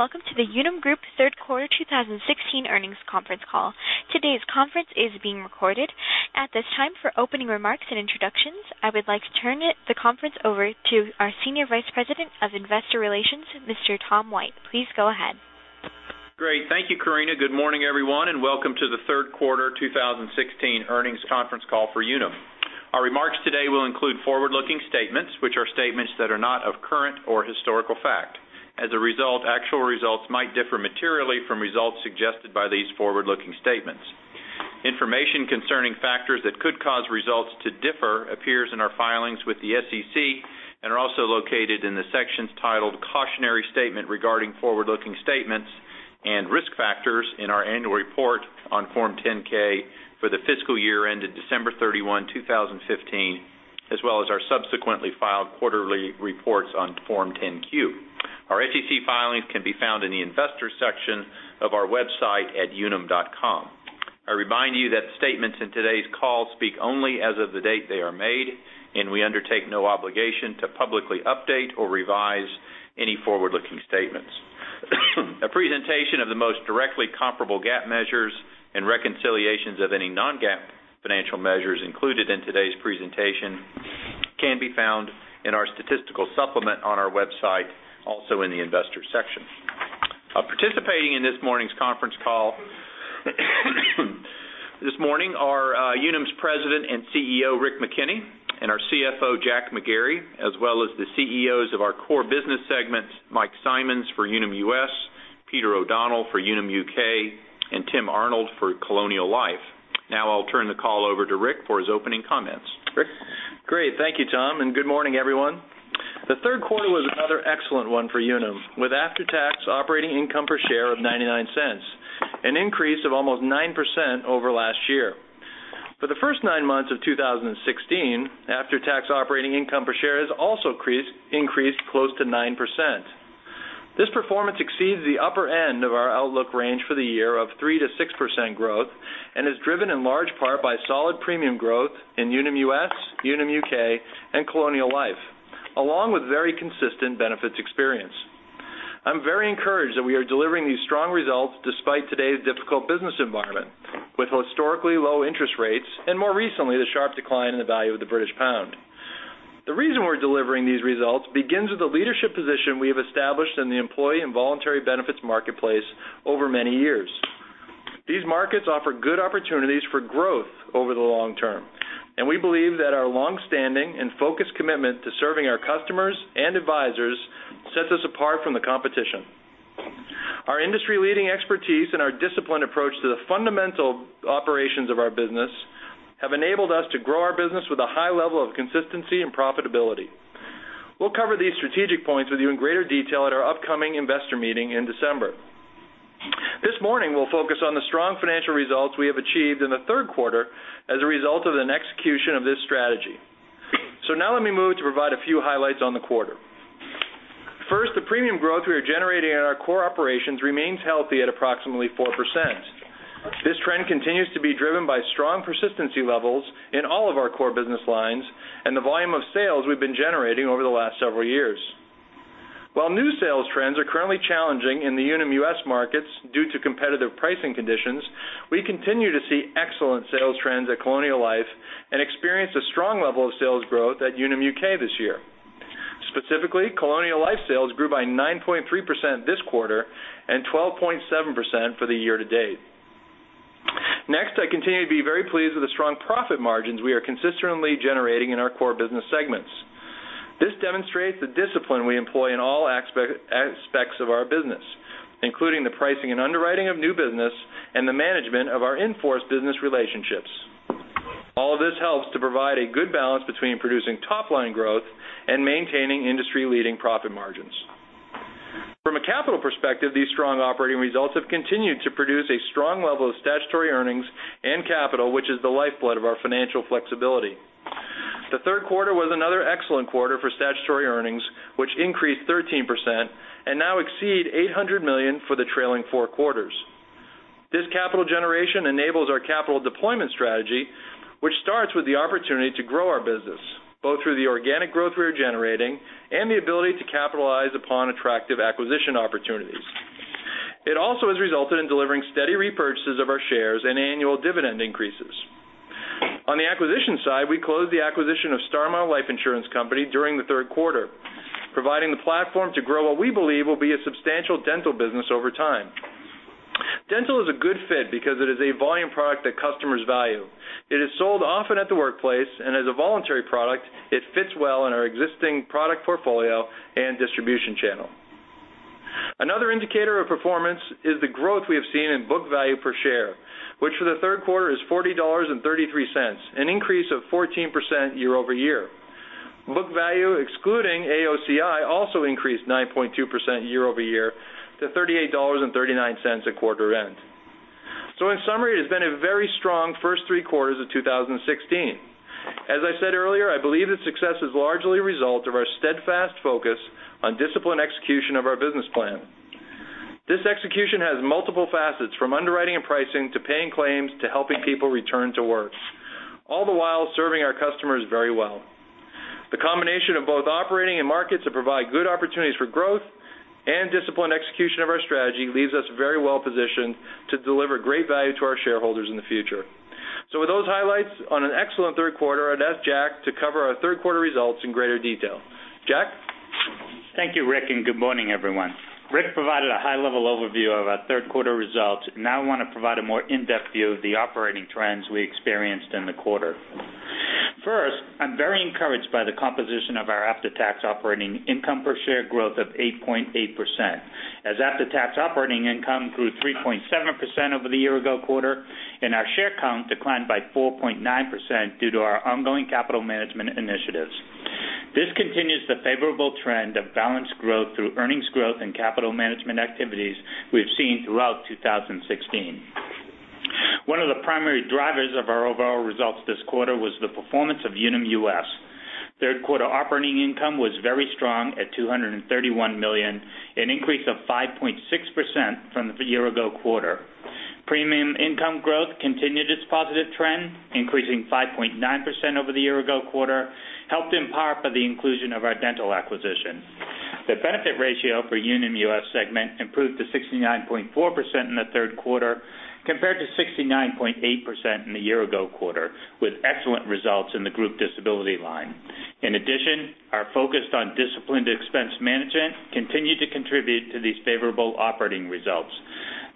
Good day, welcome to the Unum Group third quarter 2016 earnings conference call. Today's conference is being recorded. At this time, for opening remarks and introductions, I would like to turn the conference over to our Senior Vice President of Investor Relations, Mr. Tom White. Please go ahead. Great. Thank you, Karina. Good morning, everyone, welcome to the third quarter 2016 earnings conference call for Unum. Our remarks today will include forward-looking statements, which are statements that are not of current or historical fact. As a result, actual results might differ materially from results suggested by these forward-looking statements. Information concerning factors that could cause results to differ appears in our filings with the SEC, and are also located in the sections titled Cautionary Statement Regarding Forward-Looking Statements and Risk Factors in our annual report on Form 10-K for the fiscal year ended December 31, 2015, as well as our subsequently filed quarterly reports on Form 10-Q. Our SEC filings can be found in the Investors section of our website at unum.com. I remind you that statements in today's call speak only as of the date they are made, and we undertake no obligation to publicly update or revise any forward-looking statements. A presentation of the most directly comparable GAAP measures and reconciliations of any non-GAAP financial measures included in today's presentation can be found in our statistical supplement on our website, also in the Investors section. Participating in this morning's conference call are Unum's President and CEO, Rick McKenney, and our CFO, Jack McGarry, as well as the CEOs of our core business segments, Mike Simonds for Unum US, Peter O'Donnell for Unum UK, and Tim Arnold for Colonial Life. Now I'll turn the call over to Rick for his opening comments. Rick? Great, thank you, Tom, and good morning, everyone. The third quarter was another excellent one for Unum, with after-tax operating income per share of $0.99, an increase of almost 9% over last year. For the first nine months of 2016, after-tax operating income per share has also increased close to 9%. This performance exceeds the upper end of our outlook range for the year of 3%-6% growth and is driven in large part by solid premium growth in Unum US, Unum UK, and Colonial Life, along with very consistent benefits experience. I'm very encouraged that we are delivering these strong results despite today's difficult business environment, with historically low interest rates and, more recently, the sharp decline in the value of the British pound. The reason we're delivering these results begins with the leadership position we have established in the employee and voluntary benefits marketplace over many years. These markets offer good opportunities for growth over the long term, and we believe that our longstanding and focused commitment to serving our customers and advisors sets us apart from the competition. Our industry-leading expertise and our disciplined approach to the fundamental operations of our business have enabled us to grow our business with a high level of consistency and profitability. We'll cover these strategic points with you in greater detail at our upcoming investor meeting in December. This morning, we'll focus on the strong financial results we have achieved in the third quarter as a result of an execution of this strategy. Now let me move to provide a few highlights on the quarter. The premium growth we are generating in our core operations remains healthy at approximately 4%. This trend continues to be driven by strong persistency levels in all of our core business lines and the volume of sales we've been generating over the last several years. While new sales trends are currently challenging in the Unum US markets due to competitive pricing conditions, we continue to see excellent sales trends at Colonial Life and experience a strong level of sales growth at Unum UK this year. Specifically, Colonial Life sales grew by 9.3% this quarter and 12.7% for the year to date. I continue to be very pleased with the strong profit margins we are consistently generating in our core business segments. This demonstrates the discipline we employ in all aspects of our business, including the pricing and underwriting of new business and the management of our in-force business relationships. All of this helps to provide a good balance between producing top-line growth and maintaining industry-leading profit margins. From a capital perspective, these strong operating results have continued to produce a strong level of statutory earnings and capital, which is the lifeblood of our financial flexibility. The third quarter was another excellent quarter for statutory earnings, which increased 13% and now exceed $800 million for the trailing four quarters. This capital generation enables our capital deployment strategy, which starts with the opportunity to grow our business, both through the organic growth we are generating and the ability to capitalize upon attractive acquisition opportunities. It also has resulted in delivering steady repurchases of our shares and annual dividend increases. On the acquisition side, we closed the acquisition of Starmount Life Insurance Company during the third quarter, providing the platform to grow what we believe will be a substantial dental business over time. dental is a good fit because it is a volume product that customers value. It is sold often at the workplace and, as a voluntary product, it fits well in our existing product portfolio and distribution channel. Another indicator of performance is the growth we have seen in book value per share, which for the third quarter is $40.33, an increase of 14% year-over-year. Book value, excluding AOCI, also increased 9.2% year-over-year to $38.39 at quarter end. In summary, it has been a very strong first three quarters of 2016. As I said earlier, I believe the success is largely a result of our steadfast focus on disciplined execution of our business plan. This execution has multiple facets, from underwriting and pricing, to paying claims, to helping people return to work, all the while serving our customers very well. The combination of both operating and markets that provide good opportunities for growth and disciplined execution of our strategy leaves us very well positioned to deliver great value to our shareholders in the future. With those highlights on an excellent third quarter, I would ask Jack to cover our third quarter results in greater detail. Jack? Thank you, Rick, and good morning, everyone. Rick provided a high-level overview of our third quarter results. Now I want to provide a more in-depth view of the operating trends we experienced in the quarter. First, I am very encouraged by the composition of our after-tax operating income per share growth of 8.8%, as after-tax operating income grew 3.7% over the year ago quarter, and our share count declined by 4.9% due to our ongoing capital management initiatives. This continues the favorable trend of balanced growth through earnings growth and capital management activities we have seen throughout 2016. One of the primary drivers of our overall results this quarter was the performance of Unum US. Third quarter operating income was very strong at $231 million, an increase of 5.6% from the year ago quarter. Premium income growth continued its positive trend, increasing 5.9% over the year ago quarter, helped in part by the inclusion of our dental acquisition. The benefit ratio for Unum US segment improved to 69.4% in the third quarter, compared to 69.8% in the year ago quarter, with excellent results in the group disability line. In addition, our focus on disciplined expense management continued to contribute to these favorable operating results.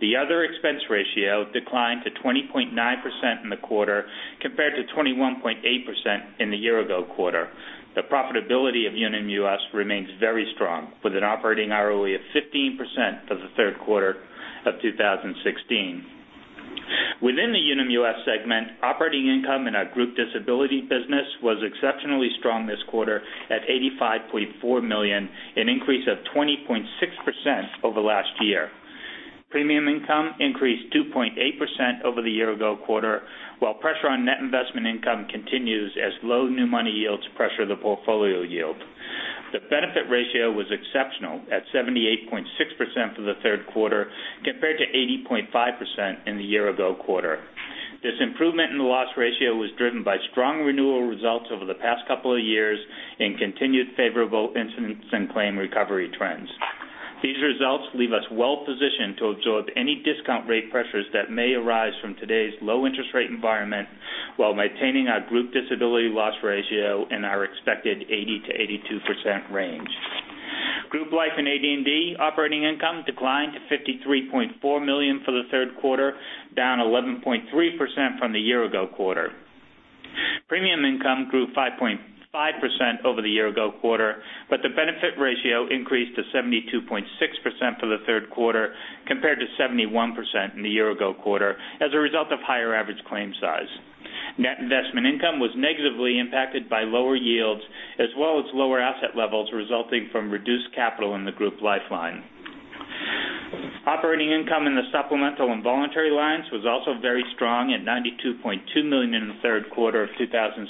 The other expense ratio declined to 20.9% in the quarter, compared to 21.8% in the year ago quarter. The profitability of Unum US remains very strong, with an operating ROE of 15% for the third quarter of 2016. Within the Unum US segment, operating income in our group disability business was exceptionally strong this quarter at $85.4 million, an increase of 20.6% over last year. Premium income increased 2.8% over the year ago quarter, while pressure on net investment income continues as low new money yields pressure the portfolio yield. The benefit ratio was exceptional at 78.6% for the third quarter, compared to 80.5% in the year ago quarter. This improvement in the loss ratio was driven by strong renewal results over the past couple of years and continued favorable incidents and claim recovery trends. These results leave us well positioned to absorb any discount rate pressures that may arise from today's low interest rate environment while maintaining our group disability loss ratio in our expected 80%-82% range. Group Life and AD&D operating income declined to $53.4 million for the third quarter, down 11.3% from the year ago quarter. Premium income grew 5.5% over the year ago quarter. The benefit ratio increased to 72.6% for the third quarter, compared to 71% in the year ago quarter, as a result of higher average claim size. Net investment income was negatively impacted by lower yields as well as lower asset levels resulting from reduced capital in the Group Life line. Operating income in the supplemental and voluntary lines was also very strong at $92.2 million in the third quarter of 2016,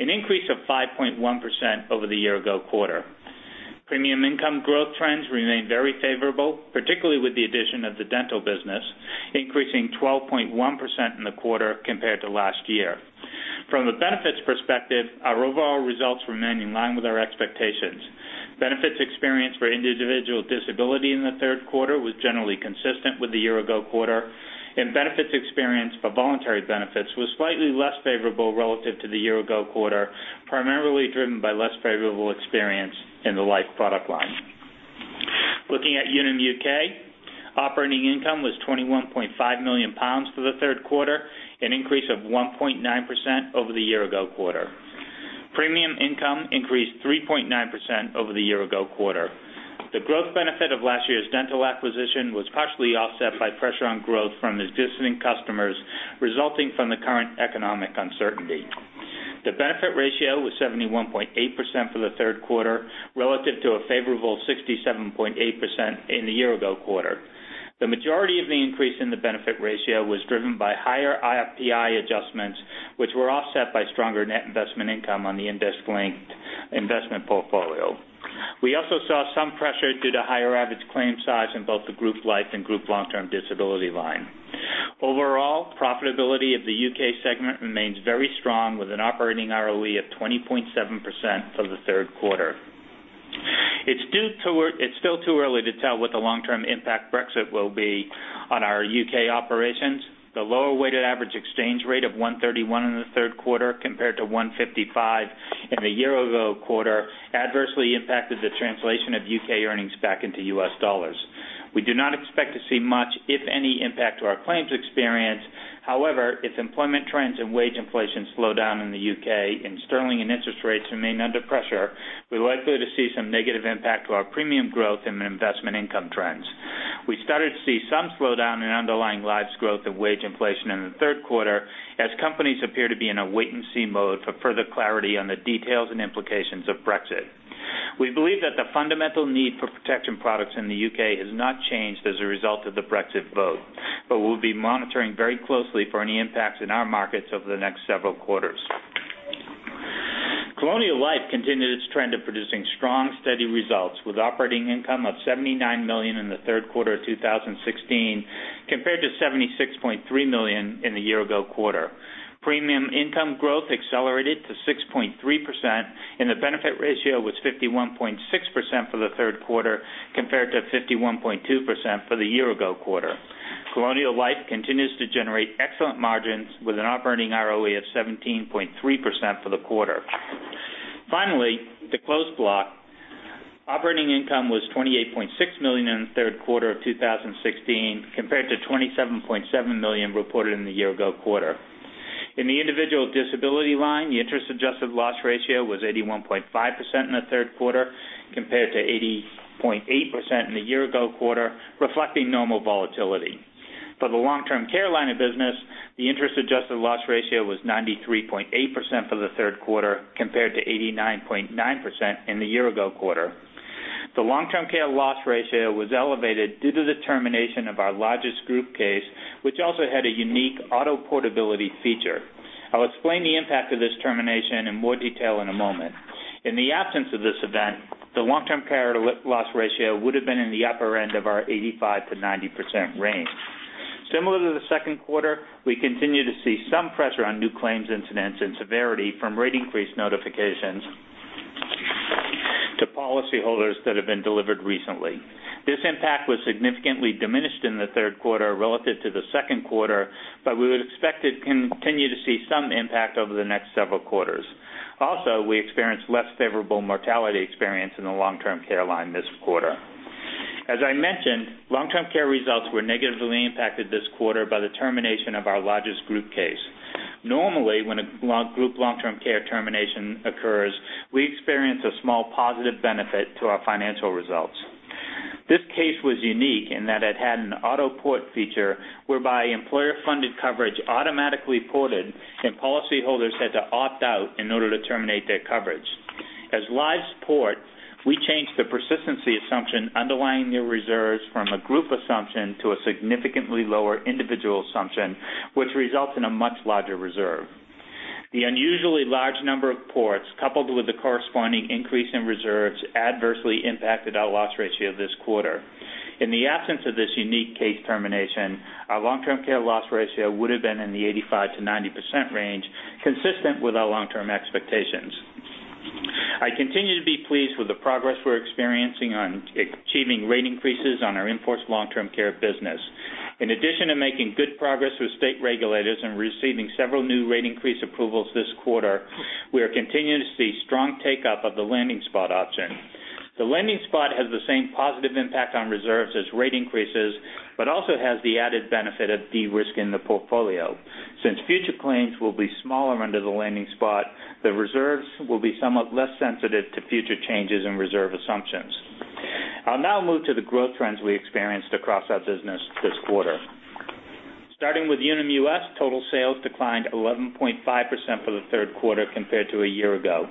an increase of 5.1% over the year ago quarter. Premium income growth trends remained very favorable, particularly with the addition of the dental business, increasing 12.1% in the quarter compared to last year. From a benefits perspective, our overall results remained in line with our expectations. Benefits experienced for individual disability in the third quarter was generally consistent with the year ago quarter. Benefits experienced for voluntary benefits was slightly less favorable relative to the year ago quarter, primarily driven by less favorable experience in the life product line. Looking at Unum UK, operating income was £21.5 million for the third quarter, an increase of 1.9% over the year ago quarter. Premium income increased 3.9% over the year ago quarter. The growth benefit of last year's dental acquisition was partially offset by pressure on growth from existing customers resulting from the current economic uncertainty. The benefit ratio was 71.8% for the third quarter, relative to a favorable 67.8% in the year ago quarter. The majority of the increase in the benefit ratio was driven by higher IFPI adjustments, which were offset by stronger net investment income on the invest-linked investment portfolio. We also saw some pressure due to higher average claim size in both the Group Life and Group Long Term Disability line. Overall, profitability of the U.K. segment remains very strong with an operating ROE of 20.7% for the third quarter. It's still too early to tell what the long-term impact Brexit will be on our U.K. operations. The lower weighted average exchange rate of 131 in the third quarter compared to 155 in the year ago quarter adversely impacted the translation of U.K. earnings back into U.S. dollars. We do not expect to see much, if any, impact to our claims experience. If employment trends and wage inflation slow down in the U.K. and sterling and interest rates remain under pressure, we're likely to see some negative impact to our premium growth and investment income trends. We started to see some slowdown in underlying lives growth and wage inflation in the third quarter as companies appear to be in a wait-and-see mode for further clarity on the details and implications of Brexit. We believe that the fundamental need for protection products in the U.K. has not changed as a result of the Brexit vote. We'll be monitoring very closely for any impacts in our markets over the next several quarters. Colonial Life continued its trend of producing strong steady results with operating income of $79 million in the third quarter of 2016, compared to $76.3 million in the year ago quarter. Premium income growth accelerated to 6.3%. The benefit ratio was 51.6% for the third quarter, compared to 51.2% for the year ago quarter. Colonial Life continues to generate excellent margins with an operating ROE of 17.3% for the quarter. The Closed Block. Operating income was $28.6 million in the third quarter of 2016, compared to $27.7 million reported in the year ago quarter. In the individual disability line, the interest-adjusted loss ratio was 81.5% in the third quarter, compared to 80.8% in the year ago quarter, reflecting normal volatility. For the long-term care line of business, the interest-adjusted loss ratio was 93.8% for the third quarter, compared to 89.9% in the year ago quarter. The long-term care loss ratio was elevated due to the termination of our largest group case, which also had a unique auto portability feature. I'll explain the impact of this termination in more detail in a moment. In the absence of this event, the long-term care loss ratio would have been in the upper end of our 85%-90% range. Similar to the second quarter, we continue to see some pressure on new claims incidents and severity from rate increase notifications to policyholders that have been delivered recently. This impact was significantly diminished in the third quarter relative to the second quarter, but we would expect to continue to see some impact over the next several quarters. Also, we experienced less favorable mortality experience in the long-term care line this quarter. As I mentioned, long-term care results were negatively impacted this quarter by the termination of our largest group case. Normally, when a group long-term care termination occurs, we experience a small positive benefit to our financial results. This case was unique in that it had an auto port feature whereby employer-funded coverage automatically ported and policyholders had to opt out in order to terminate their coverage. As lives port, we changed the persistency assumption underlying new reserves from a group assumption to a significantly lower individual assumption, which results in a much larger reserve. The unusually large number of ports, coupled with the corresponding increase in reserves, adversely impacted our loss ratio this quarter. In the absence of this unique case termination, our long-term care loss ratio would have been in the 85%-90% range, consistent with our long-term expectations. I continue to be pleased with the progress we're experiencing on achieving rate increases on our in-force long-term care business. In addition to making good progress with state regulators and receiving several new rate increase approvals this quarter, we are continuing to see strong take-up of the landing spot option. The landing spot has the same positive impact on reserves as rate increases, but also has the added benefit of de-risk in the portfolio. Since future claims will be smaller under the landing spot, the reserves will be somewhat less sensitive to future changes in reserve assumptions. I'll now move to the growth trends we experienced across our business this quarter. Starting with Unum US, total sales declined 11.5% for the third quarter compared to a year ago.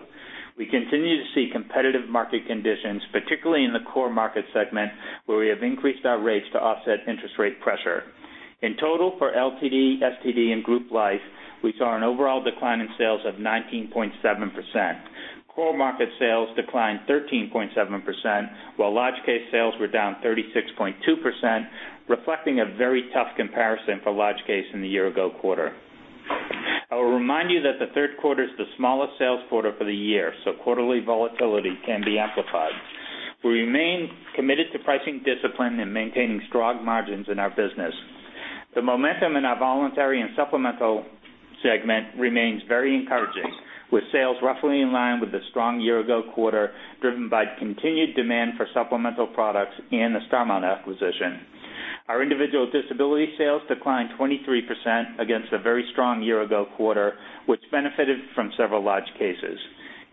We continue to see competitive market conditions, particularly in the core market segment, where we have increased our rates to offset interest rate pressure. In total, for LTD, STD, and group life, we saw an overall decline in sales of 19.7%. Core market sales declined 13.7%, while large case sales were down 36.2%, reflecting a very tough comparison for large case in the year ago quarter. I will remind you that the third quarter is the smallest sales quarter for the year, so quarterly volatility can be amplified. We remain committed to pricing discipline and maintaining strong margins in our business. The momentum in our voluntary and supplemental segment remains very encouraging, with sales roughly in line with the strong year-ago quarter, driven by continued demand for supplemental products and the Starmount acquisition. Our individual disability sales declined 23% against a very strong year-ago quarter, which benefited from several large cases.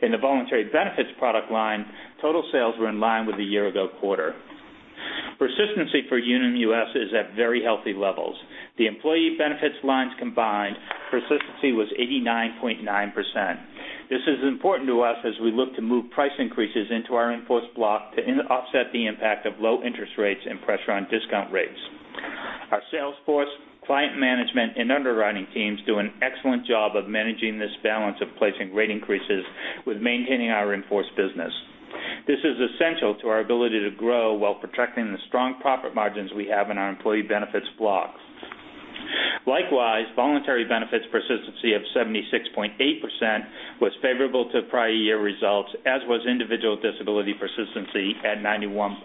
In the voluntary benefits product line, total sales were in line with the year-ago quarter. Persistency for Unum US is at very healthy levels. The employee benefits lines combined, persistency was 89.9%. This is important to us as we look to move price increases into our in-force block to offset the impact of low interest rates and pressure on discount rates. Our sales force, client management, and underwriting teams do an excellent job of managing this balance of placing rate increases with maintaining our in-force business. This is essential to our ability to grow while protecting the strong profit margins we have in our employee benefits blocks. Likewise, voluntary benefits persistency of 76.8% was favorable to prior year results, as was individual disability persistency at 91.2%.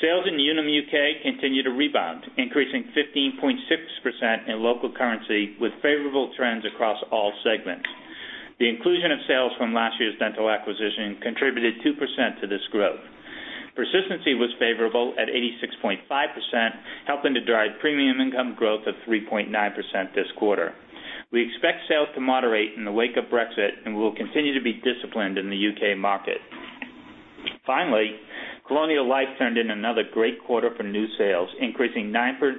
Sales in Unum UK continue to rebound, increasing 15.6% in local currency with favorable trends across all segments. The inclusion of sales from last year's dental acquisition contributed 2% to this growth. Persistency was favorable at 86.5%, helping to drive premium income growth of 3.9% this quarter. We expect sales to moderate in the wake of Brexit, and we will continue to be disciplined in the U.K. market. Colonial Life turned in another great quarter for new sales, increasing 9.3%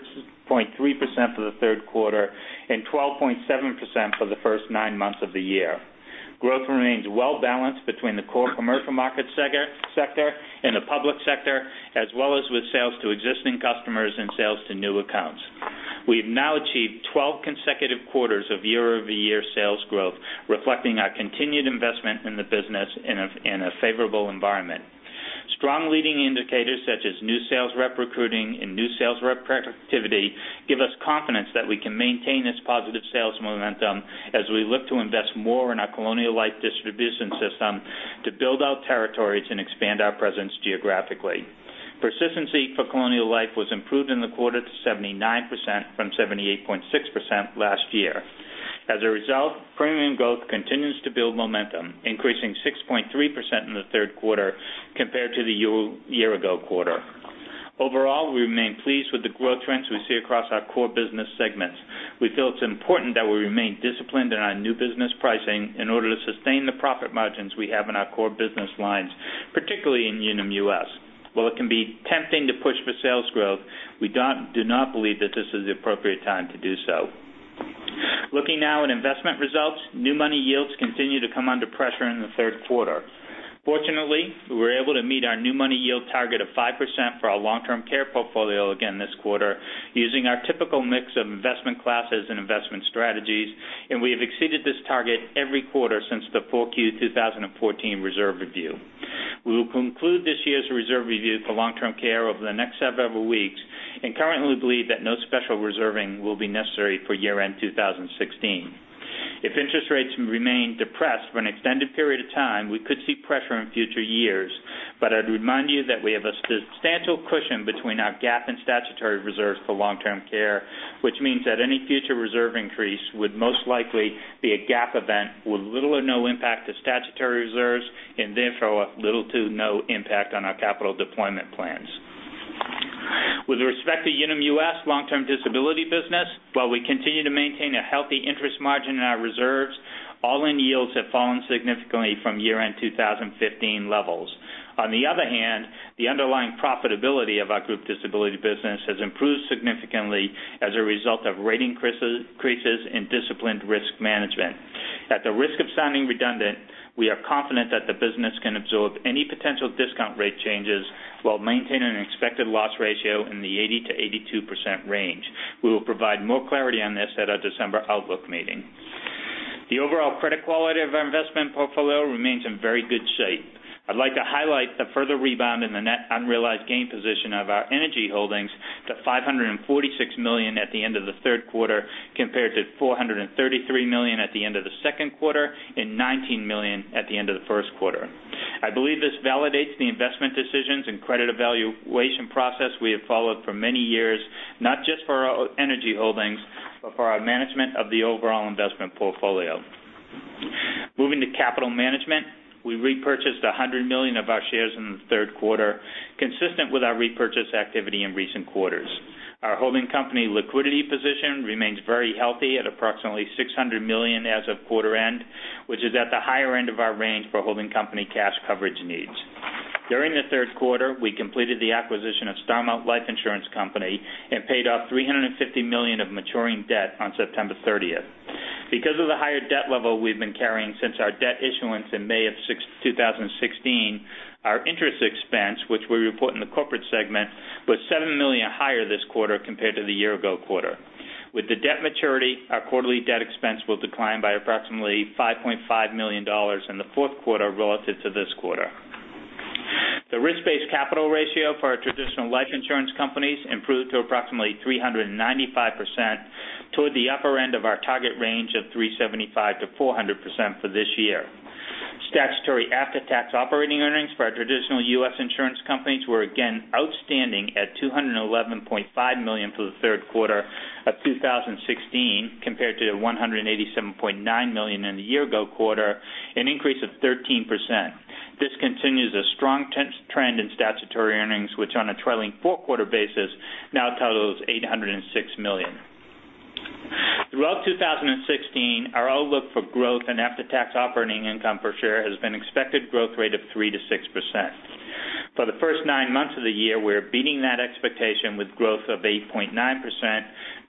for the third quarter and 12.7% for the first nine months of the year. Growth remains well-balanced between the core commercial market sector and the public sector, as well as with sales to existing customers and sales to new accounts. We have now achieved 12 consecutive quarters of year-over-year sales growth, reflecting our continued investment in the business in a favorable environment. Strong leading indicators such as new sales rep recruiting and new sales rep productivity give us confidence that we can maintain this positive sales momentum as we look to invest more in our Colonial Life distribution system to build out territories and expand our presence geographically. Persistency for Colonial Life was improved in the quarter to 79% from 78.6% last year. Premium growth continues to build momentum, increasing 6.3% in the third quarter compared to the year-ago quarter. Overall, we remain pleased with the growth trends we see across our core business segments. We feel it's important that we remain disciplined in our new business pricing in order to sustain the profit margins we have in our core business lines, particularly in Unum US. While it can be tempting to push for sales growth, we do not believe that this is the appropriate time to do so. Looking now at investment results, new money yields continued to come under pressure in the third quarter. Fortunately, we were able to meet our new money yield target of 5% for our long-term care portfolio again this quarter using our typical mix of investment classes and investment strategies. We have exceeded this target every quarter since the 4Q 2014 reserve review. We will conclude this year's reserve review for long-term care over the next several weeks and currently believe that no special reserving will be necessary for year-end 2016. If interest rates remain depressed for an extended period of time, we could see pressure in future years. I'd remind you that we have a substantial cushion between our GAAP and statutory reserves for long-term care, which means that any future reserve increase would most likely be a GAAP event with little or no impact to statutory reserves, and therefore, little to no impact on our capital deployment plans. With respect to Unum US long-term disability business, while we continue to maintain a healthy interest margin in our reserves, all-in yields have fallen significantly from year-end 2015 levels. The other hand, the underlying profitability of our group disability business has improved significantly as a result of rating increases in disciplined risk management. At the risk of sounding redundant, we are confident that the business can absorb any potential discount rate changes while maintaining an expected loss ratio in the 80%-82% range. We will provide more clarity on this at our December outlook meeting. The overall credit quality of our investment portfolio remains in very good shape. I'd like to highlight the further rebound in the net unrealized gain position of our energy holdings to $546 million at the end of the third quarter, compared to $433 million at the end of the second quarter. $19 million at the end of the first quarter. I believe this validates the investment decisions and credit evaluation process we have followed for many years, not just for our energy holdings, but for our management of the overall investment portfolio. Moving to capital management, we repurchased $100 million of our shares in the third quarter, consistent with our repurchase activity in recent quarters. Our holding company liquidity position remains very healthy at approximately $600 million as of quarter end, which is at the higher end of our range for holding company cash coverage needs. During the third quarter, we completed the acquisition of Starmount Life Insurance Company and paid off $350 million of maturing debt on September 30th. Because of the higher debt level we've been carrying since our debt issuance in May of 2016, our interest expense, which we report in the corporate segment, was $7 million higher this quarter compared to the year-ago quarter. With the debt maturity, our quarterly debt expense will decline by approximately $5.5 million in the fourth quarter relative to this quarter. The risk-based capital ratio for our traditional life insurance companies improved to approximately 395%, toward the upper end of our target range of 375%-400% for this year. Statutory after-tax operating earnings for our traditional US insurance companies were again outstanding at $211.5 million for the third quarter of 2016 compared to $187.9 million in the year-ago quarter, an increase of 13%. This continues a strong trend in statutory earnings, which on a trailing four-quarter basis now totals $806 million. Throughout 2016, our outlook for growth and after-tax operating income per share has been expected growth rate of 3%-6%. For the first nine months of the year, we are beating that expectation with growth of 8.9%,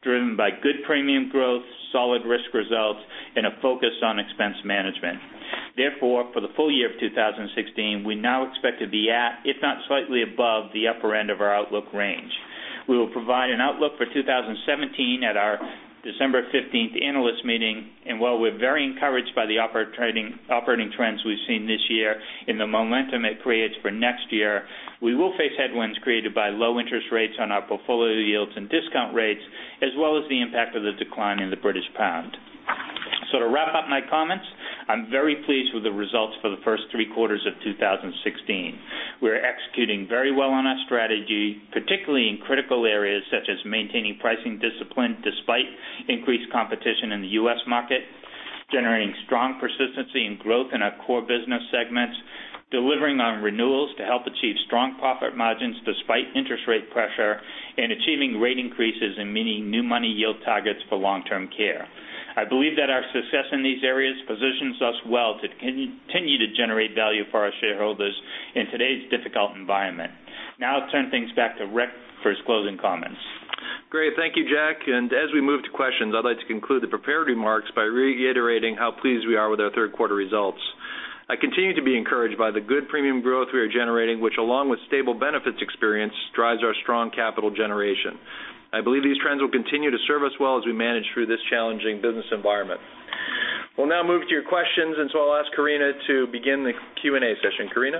driven by good premium growth, solid risk results, and a focus on expense management. For the full year of 2016, we now expect to be at, if not slightly above, the upper end of our outlook range. We will provide an outlook for 2017 at our December 15th analyst meeting. While we're very encouraged by the operating trends we've seen this year and the momentum it creates for next year, we will face headwinds created by low interest rates on our portfolio yields and discount rates, as well as the impact of the decline in the British pound. To wrap up my comments, I'm very pleased with the results for the first three quarters of 2016. We are executing very well on our strategy, particularly in critical areas such as maintaining pricing discipline despite increased competition in the U.S. market, generating strong persistency and growth in our core business segments, delivering on renewals to help achieve strong profit margins despite interest rate pressure, and achieving rate increases and meeting new money yield targets for long-term care. I believe that our success in these areas positions us well to continue to generate value for our shareholders in today's difficult environment. I'll turn things back to Rick for his closing comments. Great. Thank you, Jack. As we move to questions, I'd like to conclude the prepared remarks by reiterating how pleased we are with our third quarter results. I continue to be encouraged by the good premium growth we are generating, which along with stable benefits experience, drives our strong capital generation. I believe these trends will continue to serve us well as we manage through this challenging business environment. We'll now move to your questions. I'll ask Karina to begin the Q&A session. Karina?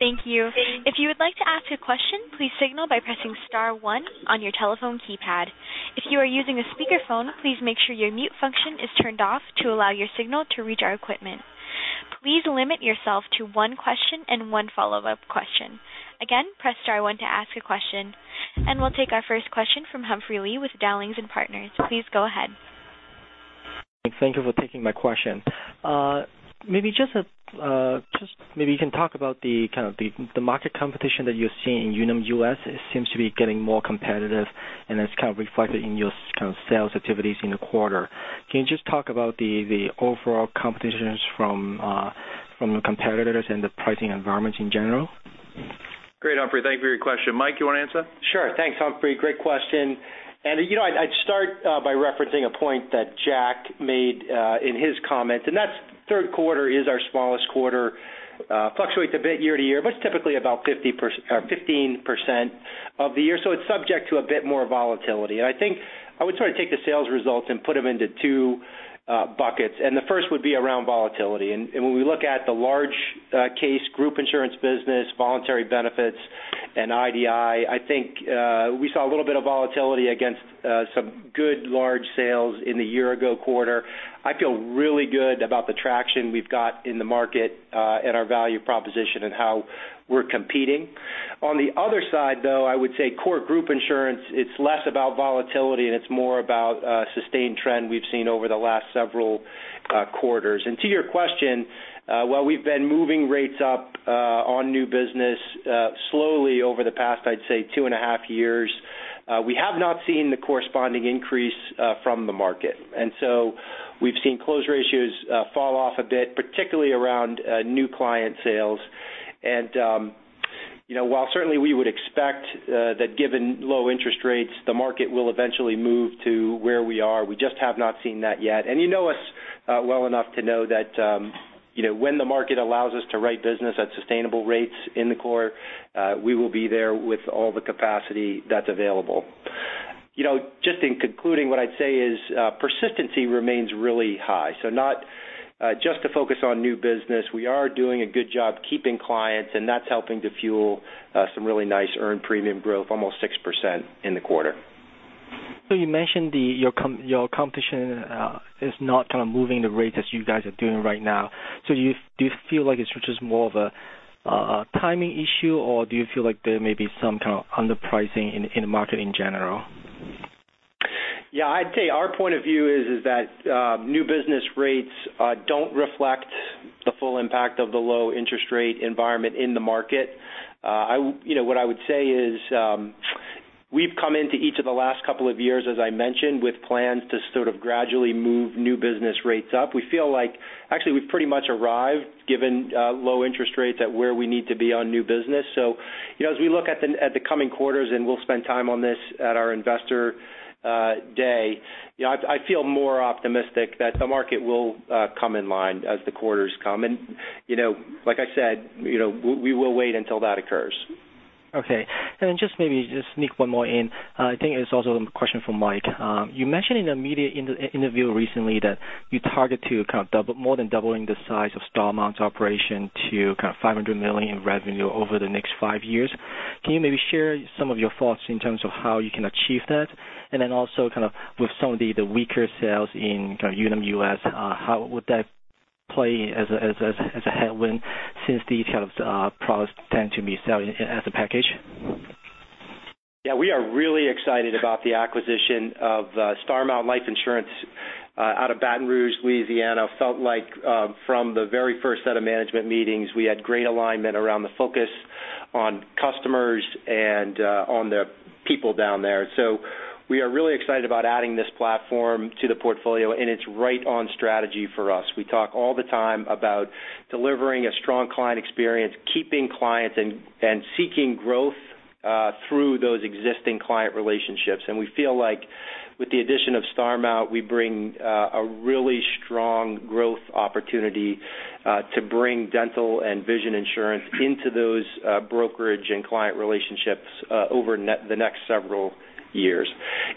Thank you. If you would like to ask a question, please signal by pressing star one on your telephone keypad. If you are using a speakerphone, please make sure your mute function is turned off to allow your signal to reach our equipment. Please limit yourself to one question and one follow-up question. Again, press star one to ask a question. We'll take our first question from Humphrey Lee with Dowling & Partners. Please go ahead. Thank you for taking my question. Maybe you can talk about the market competition that you're seeing. Unum US seems to be getting more competitive, it's kind of reflected in your sales activities in the quarter. Can you just talk about the overall competitions from the competitors and the pricing environments in general? Great, Humphrey. Thank you for your question. Mike, you want to answer? Sure. Thanks, Humphrey. Great question. I'd start by referencing a point that Jack made in his comments, that's third quarter is our smallest quarter. Fluctuates a bit year to year, but it's typically about 15% of the year, so it's subject to a bit more volatility. I think I would sort of take the sales results and put them into two buckets, the first would be around volatility. When we look at the large case group insurance business, voluntary benefits, and IDI, I think we saw a little bit of volatility against some good large sales in the year-ago quarter. I feel really good about the traction we've got in the market and our value proposition and how we're competing. On the other side, though, I would say core group insurance, it's less about volatility and it's more about a sustained trend we've seen over the last several quarters. To your question, while we've been moving rates up on new business slowly over the past, I'd say two and a half years, we have not seen the corresponding increase from the market. We've seen close ratios fall off a bit, particularly around new client sales. While certainly we would expect that given low interest rates, the market will eventually move to where we are, we just have not seen that yet. You know us well enough to know that when the market allows us to write business at sustainable rates in the core, we will be there with all the capacity that's available. Just in concluding, what I'd say is persistency remains really high. Not just to focus on new business. We are doing a good job keeping clients, and that's helping to fuel some really nice earned premium growth, almost 6% in the quarter. You mentioned your competition is not kind of moving the rates as you guys are doing right now. Do you feel like it's just more of a timing issue, or do you feel like there may be some kind of underpricing in the market in general? I'd say our point of view is that new business rates don't reflect the full impact of the low interest rate environment in the market. What I would say is we've come into each of the last couple of years, as I mentioned, with plans to sort of gradually move new business rates up. We feel like actually we've pretty much arrived, given low interest rates at where we need to be on new business. As we look at the coming quarters, and we'll spend time on this at our investor day, I feel more optimistic that the market will come in line as the quarters come. Like I said, we will wait until that occurs. Okay. Just maybe just sneak one more in. I think it's also a question for Mike. You mentioned in a media interview recently that you target to more than doubling the size of Starmount operation to kind of $500 million in revenue over the next 5 years. Can you maybe share some of your thoughts in terms of how you can achieve that? Also kind of with some of the weaker sales in Unum US, how would that play as a headwind since these kind of products tend to be selling as a package? Yeah, we are really excited about the acquisition of Starmount Life Insurance out of Baton Rouge, Louisiana. Felt like from the very first set of management meetings, we had great alignment around the focus on customers and on the people down there. We are really excited about adding this platform to the portfolio, and it's right on strategy for us. We talk all the time about delivering a strong client experience, keeping clients and seeking growth through those existing client relationships. We feel like with the addition of Starmount, we bring a really strong growth opportunity to bring dental and vision insurance into those brokerage and client relationships over the next several years.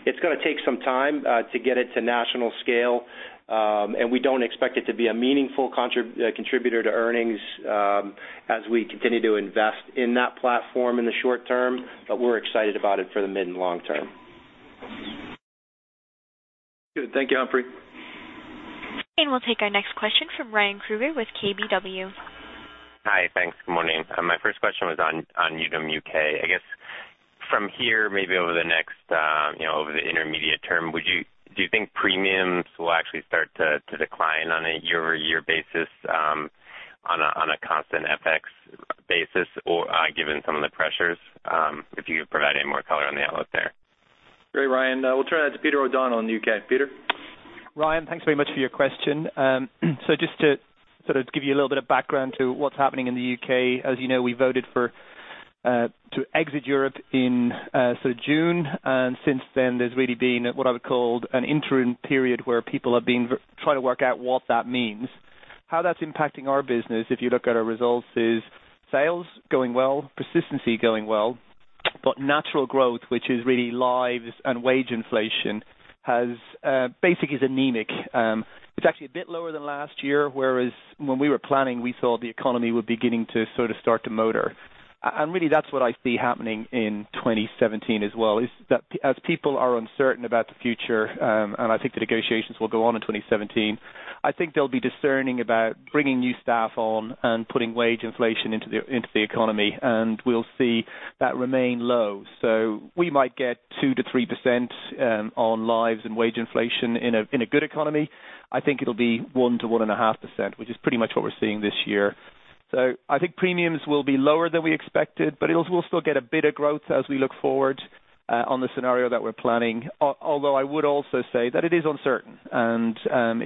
It's going to take some time to get it to national scale, and we don't expect it to be a meaningful contributor to earnings as we continue to invest in that platform in the short term, but we're excited about it for the mid and long term. Good. Thank you, Humphrey. We'll take our next question from Ryan Krueger with KBW. Hi. Thanks. Good morning. My first question was on Unum UK. I guess from here, maybe over the intermediate term, do you think premiums will actually start to decline on a year-over-year basis on a constant FX basis given some of the pressures? If you could provide any more color on the outlook there. Great, Ryan. We'll turn that to Peter O'Donnell in the U.K. Peter? Ryan, thanks very much for your question. Just to sort of give you a little bit of background to what's happening in the U.K., as you know, we voted for to exit Europe in June. Since then, there's really been what I would call an interim period where people are trying to work out what that means. How that's impacting our business, if you look at our results, is sales going well, persistency going well, but natural growth, which is really lives and wage inflation, basically is anemic. It's actually a bit lower than last year, whereas when we were planning, we thought the economy would beginning to start to motor. Really that's what I see happening in 2017 as well, is that as people are uncertain about the future, I think the negotiations will go on in 2017, I think they'll be discerning about bringing new staff on and putting wage inflation into the economy, we'll see that remain low. We might get 2%-3% on lives and wage inflation in a good economy. I think it'll be 1%-1.5%, which is pretty much what we're seeing this year. I think premiums will be lower than we expected, we'll still get a bit of growth as we look forward on the scenario that we're planning. I would also say that it is uncertain,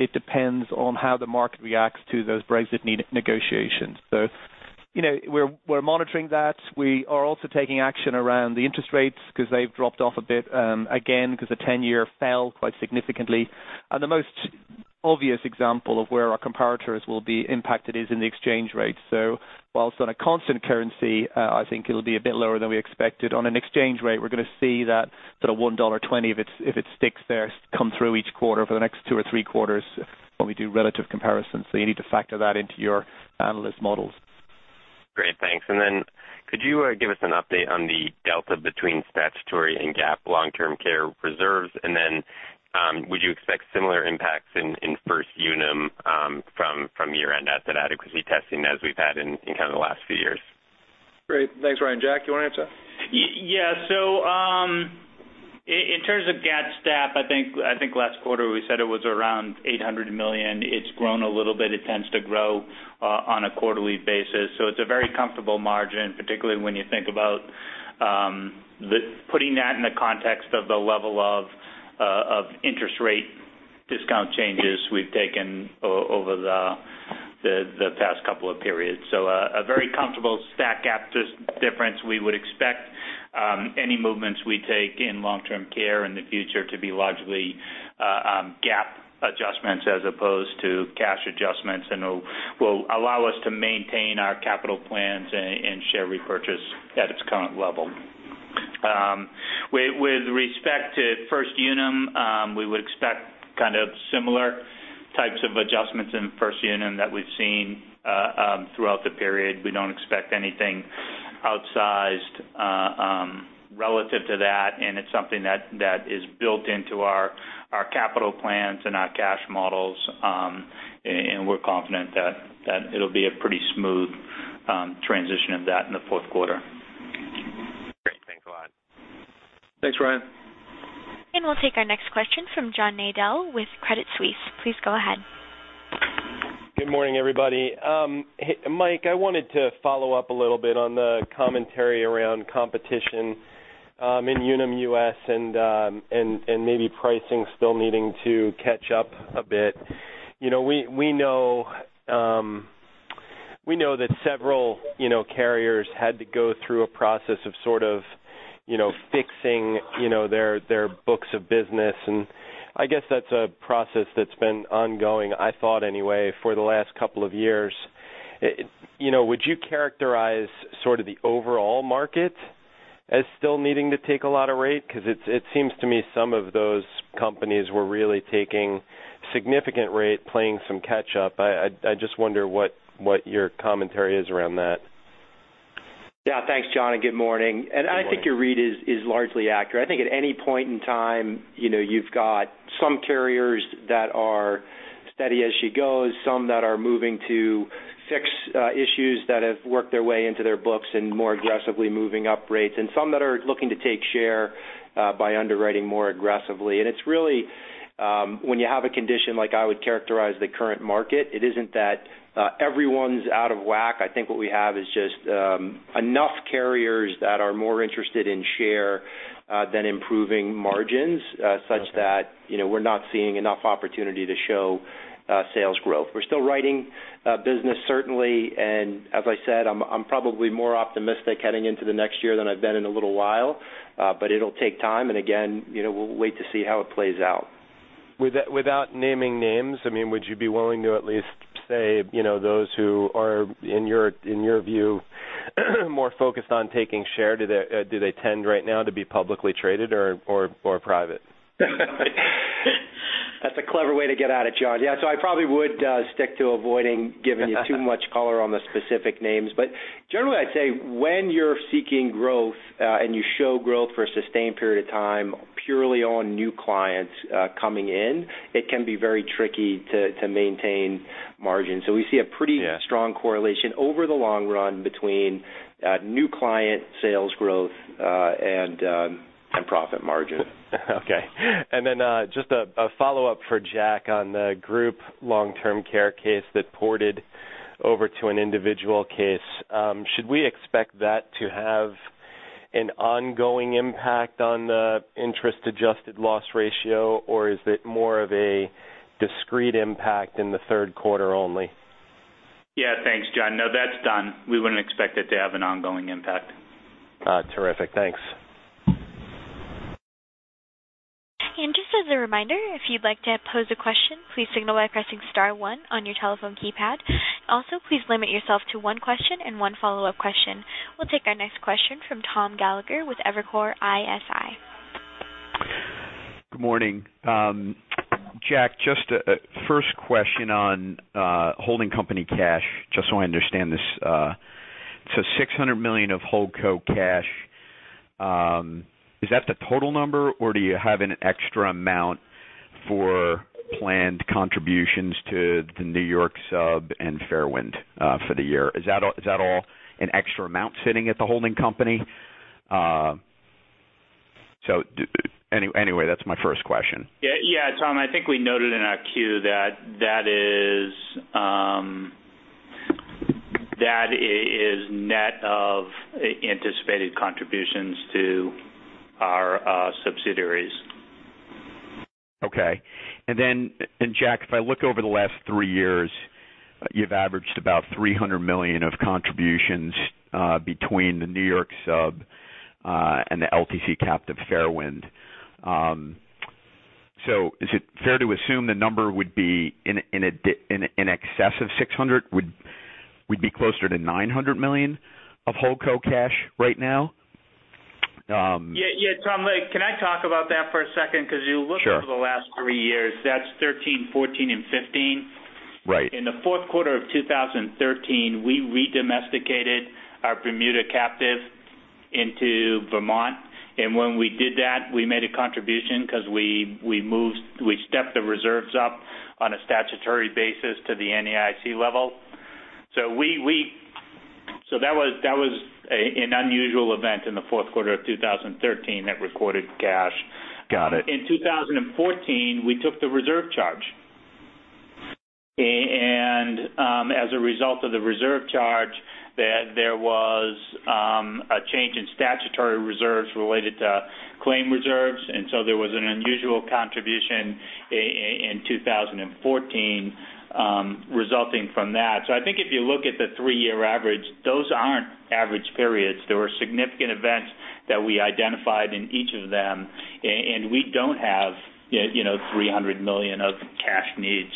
it depends on how the market reacts to those Brexit negotiations. We're monitoring that. We are also taking action around the interest rates because they've dropped off a bit, again, because the 10-year fell quite significantly. The most obvious example of where our comparators will be impacted is in the exchange rate. Whilst on a constant currency, I think it'll be a bit lower than we expected. On an exchange rate, we're going to see that sort of $1.20, if it sticks there, come through each quarter for the next two or three quarters when we do relative comparisons. You need to factor that into your analyst models. Great. Thanks. Then could you give us an update on the delta between statutory and GAAP long-term care reserves? Then, would you expect similar impacts in First Unum, from year-end asset adequacy testing as we've had in kind of the last few years? Great. Thanks, Ryan. Jack, you want to answer? Yes. In terms of GAAP stat, I think last quarter we said it was around $800 million. It's grown a little bit. It tends to grow on a quarterly basis. It's a very comfortable margin, particularly when you think about putting that in the context of the level of interest rate discount changes we've taken over the past couple of periods. A very comfortable stack after difference. We would expect any movements we take in long-term care in the future to be largely GAAP adjustments as opposed to cash adjustments and will allow us to maintain our capital plans and share repurchase at its current level. With respect to First Unum, we would expect kind of similar types of adjustments in First Unum that we've seen throughout the period. We don't expect anything outsized relative to that, it's something that is built into our capital plans and our cash models. We're confident that it'll be a pretty smooth transition of that in the fourth quarter. Great. Thanks a lot. Thanks, Ryan. We'll take our next question from John Nadel with Credit Suisse. Please go ahead. Good morning, everybody. Mike, I wanted to follow up a little bit on the commentary around competition in Unum US and maybe pricing still needing to catch up a bit. We know that several carriers had to go through a process of sort of fixing their books of business, and I guess that's a process that's been ongoing, I thought anyway, for the last couple of years. Would you characterize sort of the overall market as still needing to take a lot of rate? Because it seems to me some of those companies were really taking significant rate, playing some catch up. I just wonder what your commentary is around that. Yeah. Thanks, John, and good morning. Good morning. I think your read is largely accurate. I think at any point in time, you've got some carriers that are steady as she goes, some that are moving to fix issues that have worked their way into their books and more aggressively moving up rates, and some that are looking to take share by underwriting more aggressively. It's really, when you have a condition like I would characterize the current market, it isn't that everyone's out of whack. I think what we have is just enough carriers that are more interested in share than improving margins, such that we're not seeing enough opportunity to show sales growth. We're still writing business certainly, and as I said, I'm probably more optimistic heading into the next year than I've been in a little while. It'll take time, and again, we'll wait to see how it plays out. Without naming names, would you be willing to at least say those who are, in your view, more focused on taking share, do they tend right now to be publicly traded or private? That's a clever way to get at it, John. I probably would stick to avoiding giving you too much color on the specific names. Generally, I'd say when you're seeking growth and you show growth for a sustained period of time purely on new clients coming in, it can be very tricky to maintain margins. We see a. Yeah strong correlation over the long run between new client sales growth and profit margin. Okay. Then just a follow-up for Jack on the group long-term care case that ported over to an individual case. Should we expect that to have an ongoing impact on the interest-adjusted loss ratio, or is it more of a discrete impact in the third quarter only? Yeah, thanks, John. No, that's done. We wouldn't expect it to have an ongoing impact. Terrific. Thanks. Just as a reminder, if you'd like to pose a question, please signal by pressing star one on your telephone keypad. Also, please limit yourself to one question and one follow-up question. We'll take our next question from Thomas Gallagher with Evercore ISI. Good morning. Jack, just a first question on holding company cash, just so I understand this. $600 million of Holdco cash. Is that the total number, or do you have an extra amount for planned contributions to the New York Sub and Fairwind for the year? Is that all an extra amount sitting at the holding company? That's my first question. Yeah, Tom, I think we noted in our Q that is net of anticipated contributions to our subsidiaries. Okay. Jack, if I look over the last three years, you've averaged about $300 million of contributions, between the New York Sub, and the LTC captive Fairwind. Is it fair to assume the number would be in excess of 600? Would be closer to $900 million of Holdco cash right now? Yeah, Tom, can I talk about that for a second? Sure over the last three years, that's 2013, 2014, and 2015. Right. In the fourth quarter of 2013, we re-domesticated our Bermuda captive into Vermont, and when we did that, we made a contribution because we stepped the reserves up on a statutory basis to the NAIC level. That was an unusual event in the fourth quarter of 2013 that recorded cash. Got it. In 2014, we took the reserve charge. As a result of the reserve charge, there was a change in statutory reserves related to claim reserves. There was an unusual contribution in 2014 resulting from that. I think if you look at the three-year average, those aren't average periods. There were significant events that we identified in each of them, and we don't have $300 million of cash needs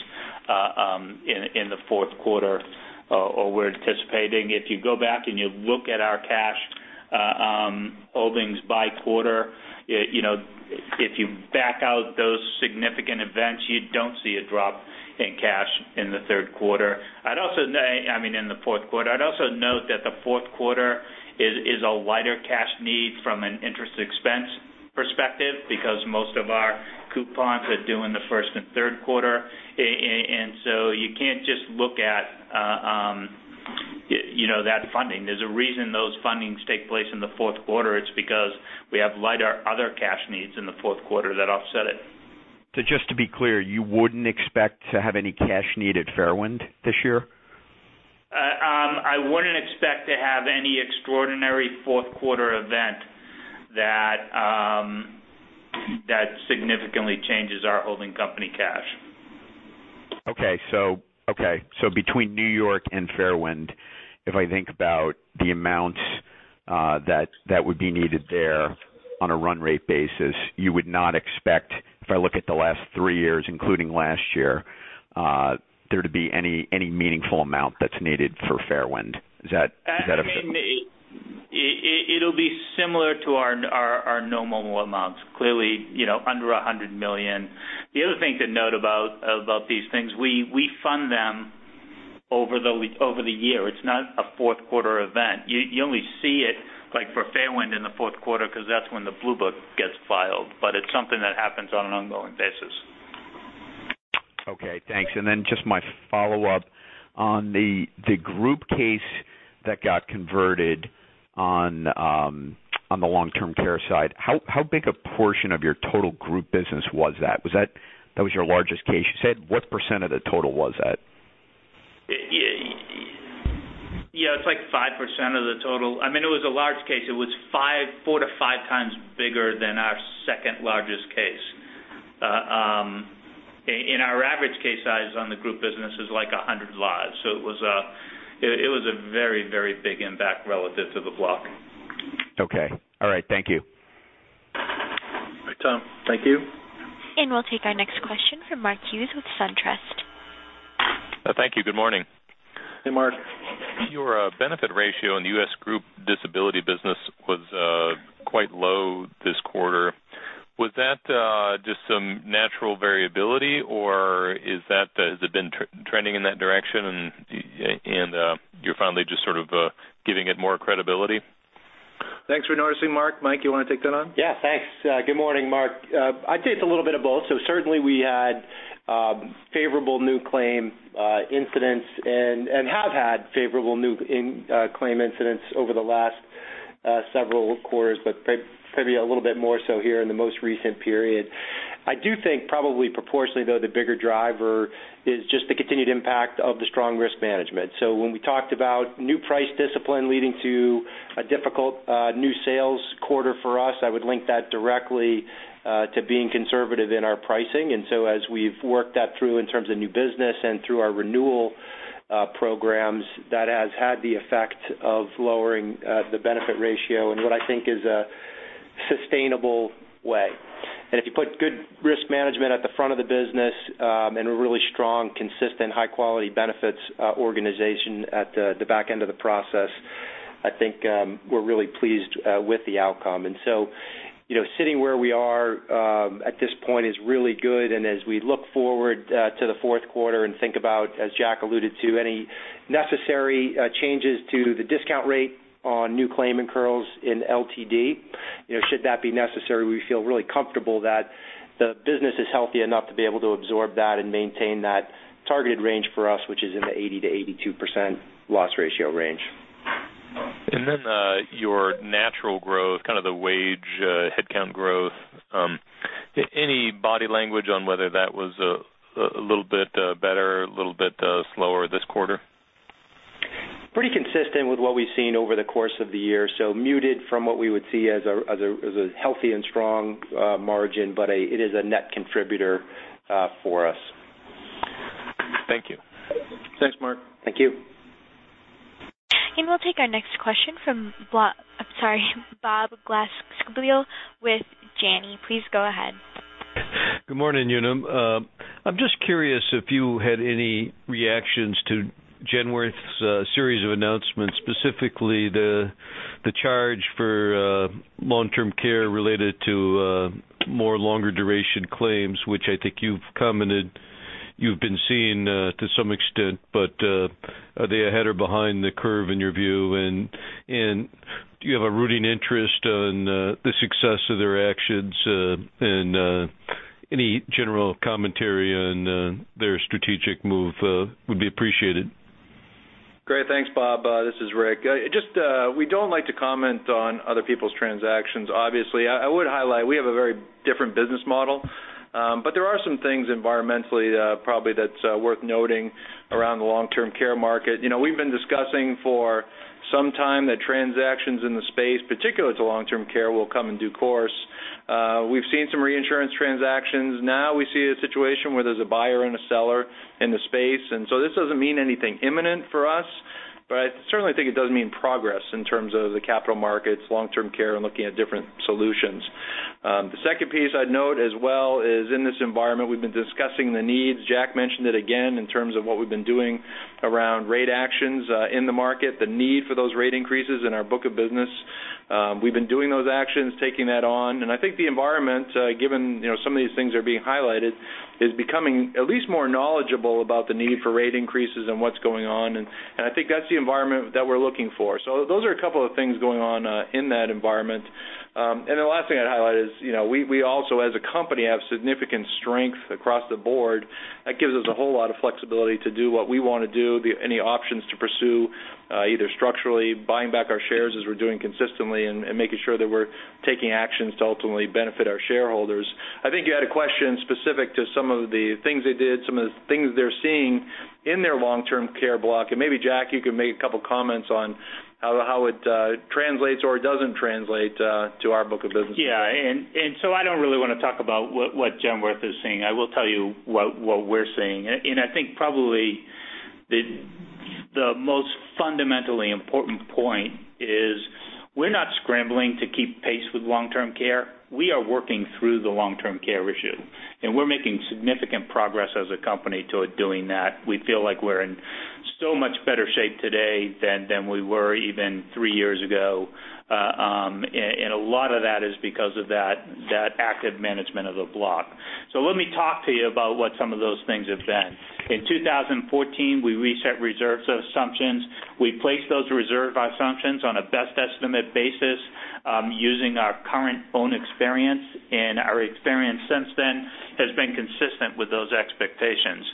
in the fourth quarter, or we're anticipating. If you go back and you look at our cash holdings by quarter, if you back out those significant events, you don't see a drop in cash in the third quarter. I'd also note that the fourth quarter is a wider cash need from an interest expense perspective because most of our coupons are due in the first and third quarter. You can't just look at that funding. There's a reason those fundings take place in the fourth quarter. It's because we have lighter other cash needs in the fourth quarter that offset it. Just to be clear, you wouldn't expect to have any cash need at Fairwind this year? I wouldn't expect to have any extraordinary fourth quarter event that significantly changes our holding company cash. Okay. Between New York and Fairwind, if I think about the amounts that would be needed there on a run rate basis, you would not expect, if I look at the last three years, including last year, there to be any meaningful amount that's needed for Fairwind. Is that? It'll be similar to our normal amounts, clearly under $100 million. The other thing to note about these things, we fund them over the year. It's not a fourth quarter event. You only see it, like for Fairwind, in the fourth quarter, because that's when the Blue Book gets filed. It's something that happens on an ongoing basis. Okay, thanks. Just my follow-up on the group case that got converted on the long-term care side. How big a portion of your total group business was that? That was your largest case, you said. What % of the total was that? Yeah, it's like 5% of the total. It was a large case. It was four to five times bigger than our second-largest case. Our average case size on the group business is like 100 lives. It was a very, very big impact relative to the block. Okay. All right. Thank you. All right, Tom. Thank you. We'll take our next question from Mark Hughes with SunTrust. Thank you. Good morning. Hey, Mark. Your benefit ratio in the U.S. group disability business was quite low this quarter. Was that just some natural variability, or has it been trending in that direction, and you're finally just sort of giving it more credibility? Thanks for noticing, Mark. Mike, you want to take that on? Yeah, thanks. Good morning, Mark. I'd say it's a little bit of both. Certainly we had favorable new claim incidents and have had favorable new claim incidents over the last several quarters, but maybe a little bit more so here in the most recent period. I do think probably proportionately, though, the bigger driver is just the continued impact of the strong risk management. When we talked about new price discipline leading to a difficult new sales quarter for us, I would link that directly to being conservative in our pricing. As we've worked that through in terms of new business and through our renewal programs, that has had the effect of lowering the benefit ratio in what I think is a sustainable way. If you put good risk management at the front of the business and a really strong, consistent, high-quality benefits organization at the back end of the process, I think we're really pleased with the outcome. Sitting where we are at this point is really good, as we look forward to the fourth quarter and think about, as Jack alluded to, any necessary changes to the discount rate on new claim incurrals in LTD, should that be necessary, we feel really comfortable that the business is healthy enough to be able to absorb that and maintain that targeted range for us, which is in the 80%-82% loss ratio range. Your natural growth, kind of the wage headcount growth, any body language on whether that was a little bit better, a little bit slower this quarter? Pretty consistent with what we've seen over the course of the year. Muted from what we would see as a healthy and strong margin, but it is a net contributor for us. Thank you. Thanks, Mark. Thank you. We'll take our next question from Bob Glasspiegel with Janney. Please go ahead. Good morning, Unum. I'm just curious if you had any reactions to Genworth Financial's series of announcements, specifically the charge for long-term care related to more longer duration claims, which I think you've commented you've been seeing to some extent, but are they ahead or behind the curve in your view? Do you have a rooting interest in the success of their actions? Any general commentary on their strategic move would be appreciated. Great. Thanks, Bob. This is Rick. We don't like to comment on other people's transactions, obviously. I would highlight we have a very different business model, but there are some things environmentally probably that's worth noting around the long-term care market. We've been discussing for some time that transactions in the space, particularly to long-term care, will come in due course. We've seen some reinsurance transactions. Now we see a situation where there's a buyer and a seller in the space. This doesn't mean anything imminent for us, but I certainly think it does mean progress in terms of the capital markets, long-term care, and looking at different solutions. The second piece I'd note as well is in this environment, we've been discussing the needs. Jack mentioned it again in terms of what we've been doing around rate actions in the market, the need for those rate increases in our book of business. We've been doing those actions, taking that on. I think the environment, given some of these things are being highlighted, is becoming at least more knowledgeable about the need for rate increases and what's going on. I think that's the environment that we're looking for. Those are a couple of things going on in that environment. The last thing I'd highlight is, we also as a company, have significant strength across the board. That gives us a whole lot of flexibility to do what we want to do, any options to pursue, either structurally buying back our shares as we're doing consistently and making sure that we're taking actions to ultimately benefit our shareholders. I think you had a question specific to some of the things they did, some of the things they're seeing in their long-term care block. Maybe, Jack, you could make a couple comments on how it translates or doesn't translate to our book of business. I don't really want to talk about what Genworth is seeing. I will tell you what we're seeing. I think probably the most fundamentally important point is we're not scrambling to keep pace with long-term care. We are working through the long-term care issue, and we're making significant progress as a company toward doing that. We feel like we're in so much better shape today than we were even three years ago. A lot of that is because of that active management of the block. Let me talk to you about what some of those things have been. In 2014, we reset reserves assumptions. We placed those reserve assumptions on a best estimate basis using our current own experience, and our experience since then has been consistent with those expectations.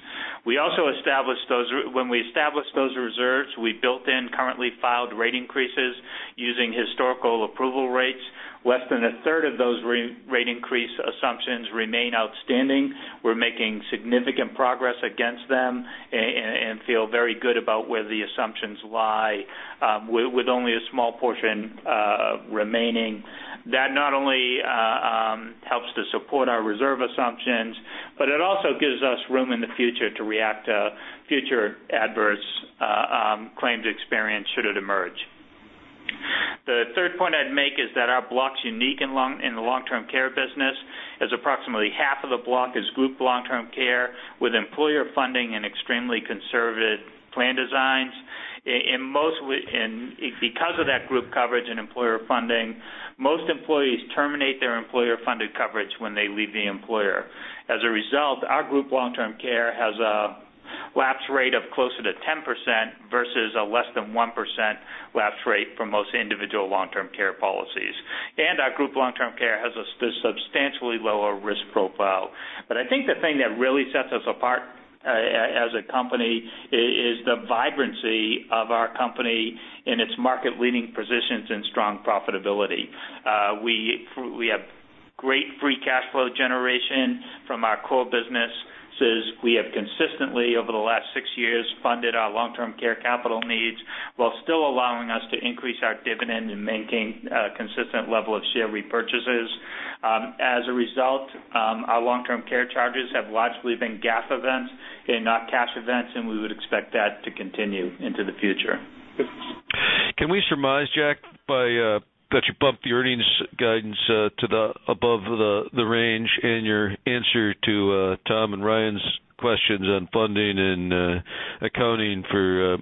When we established those reserves, we built in currently filed rate increases using historical approval rates. Less than a third of those rate increase assumptions remain outstanding. We're making significant progress against them and feel very good about where the assumptions lie with only a small portion remaining. That not only helps to support our reserve assumptions, but it also gives us room in the future to react to future adverse claims experience should it emerge. The third point I'd make is that our block's unique in the long-term care business, as approximately half of the block is group long-term care with employer funding and extremely conservative plan designs. Because of that group coverage and employer funding, most employees terminate their employer-funded coverage when they leave the employer. As a result, our group long-term care has a lapse rate of closer to 10% versus a less than 1% lapse rate for most individual long-term care policies. Our group long-term care has a substantially lower risk profile I think the thing that really sets us apart as a company is the vibrancy of our company and its market-leading positions and strong profitability. We have great free cash flow generation from our core businesses. We have consistently, over the last six years, funded our long-term care capital needs while still allowing us to increase our dividend and maintain a consistent level of share repurchases. As a result, our long-term care charges have largely been GAAP events and not cash events, and we would expect that to continue into the future. Can we surmise, Jack, by that you bumped the earnings guidance to above the range in your answer to Tom and Ryan's questions on funding and accounting for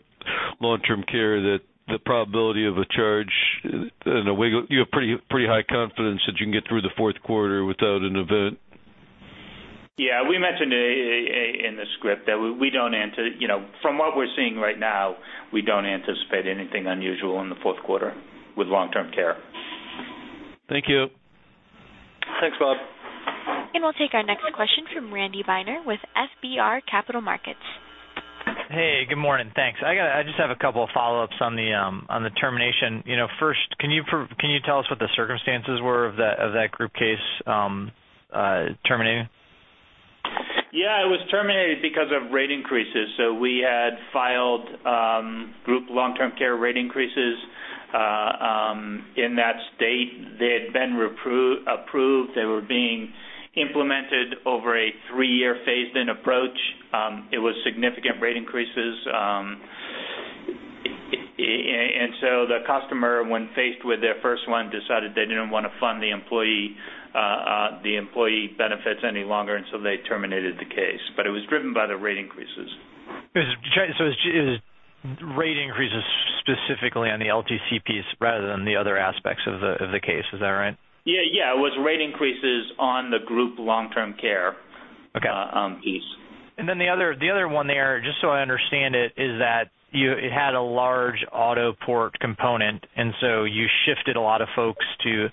long-term care, that the probability of a charge in a wiggle, you have pretty high confidence that you can get through the fourth quarter without an event? Yeah. We mentioned in the script that from what we're seeing right now, we don't anticipate anything unusual in the fourth quarter with long-term care. Thank you. Thanks, Bob. We'll take our next question from Randy Binner with FBR Capital Markets. Hey, good morning. Thanks. I just have a couple of follow-ups on the termination. First, can you tell us what the circumstances were of that group case terminating? Yeah. It was terminated because of rate increases. We had filed group long-term care rate increases in that state. They had been approved. They were being implemented over a three-year phased-in approach. It was significant rate increases. The customer, when faced with their first one, decided they didn't want to fund the employee benefits any longer, they terminated the case. It was driven by the rate increases. It was rate increases specifically on the LTC piece rather than the other aspects of the case. Is that right? Yeah. It was rate increases on the group long-term care piece. Okay. The other one there, just so I understand it, is that it had a large auto port component, you shifted a lot of folks to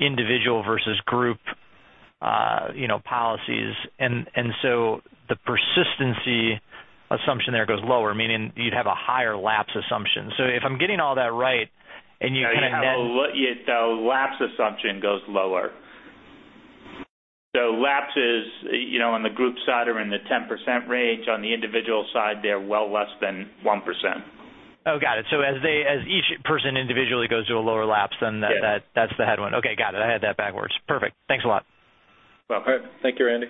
individual versus group policies. The persistency assumption there goes lower, meaning you'd have a higher lapse assumption. If I'm getting all that right, and you kind of have- The lapse assumption goes lower. Lapses on the group side are in the 10% range. On the individual side, they're well less than 1%. Oh, got it. As each person individually goes to a lower lapse, that's the head one. Okay, got it. I had that backwards. Perfect. Thanks a lot. No, thank you, Randy.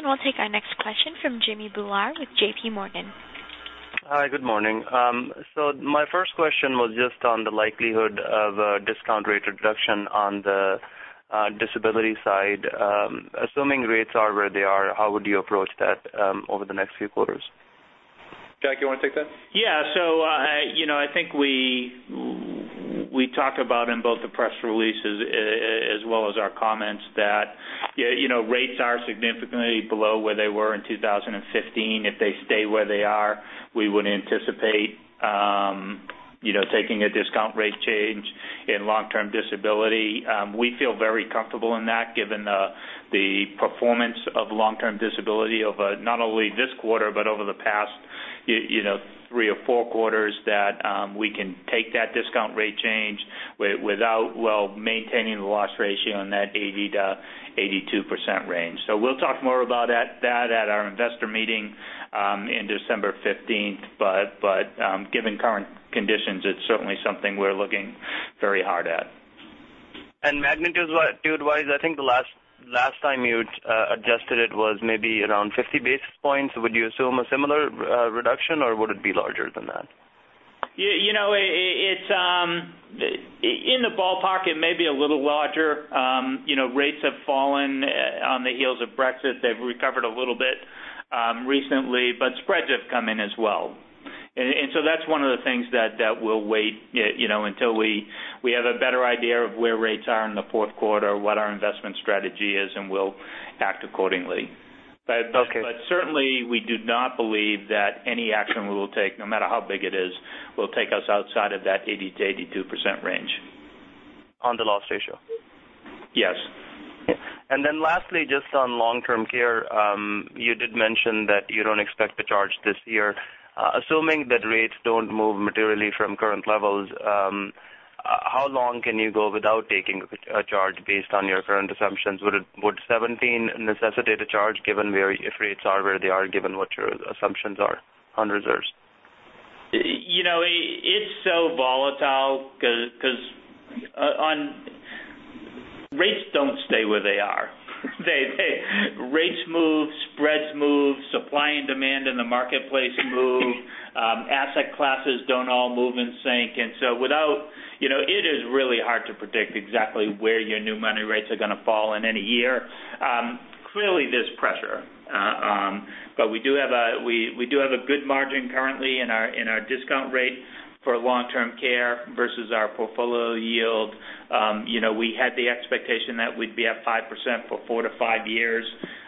We'll take our next question from Jimmy Bhullar with J.P. Morgan. Hi, good morning. My first question was just on the likelihood of a discount rate reduction on the disability side. Assuming rates are where they are, how would you approach that over the next few quarters? Jack, you want to take that? Yeah. I think we talk about in both the press releases as well as our comments that rates are significantly below where they were in 2015. If they stay where they are, we would anticipate taking a discount rate change in long-term disability. We feel very comfortable in that given the performance of long-term disability over not only this quarter, but over the past three or four quarters, that we can take that discount rate change without maintaining the loss ratio in that 80%-82% range. We'll talk more about that at our investor meeting in December 15th, but given current conditions, it's certainly something we're looking very hard at. Magnitude-wise, I think the last time you adjusted it was maybe around 50 basis points. Would you assume a similar reduction, or would it be larger than that? In the ballpark, it may be a little larger. Rates have fallen on the heels of Brexit. They've recovered a little bit recently, but spreads have come in as well. That's one of the things that we'll wait until we have a better idea of where rates are in the fourth quarter, what our investment strategy is, and we'll act accordingly. Okay. Certainly, we do not believe that any action we will take, no matter how big it is, will take us outside of that 80%-82% range. On the loss ratio? Yes. Lastly, just on long-term care, you did mention that you don't expect to charge this year. Assuming that rates don't move materially from current levels, how long can you go without taking a charge based on your current assumptions? Would 2017 necessitate a charge given where if rates are where they are, given what your assumptions are on reserves? It's so volatile because rates don't stay where they are. Rates move, spreads move, supply and demand in the marketplace move. Asset classes don't all move in sync. It is really hard to predict exactly where your new money rates are going to fall in any year. Clearly, there's pressure, but we do have a good margin currently in our discount rate for long-term care versus our portfolio yield. We had the expectation that we'd be at 5% for four to five years.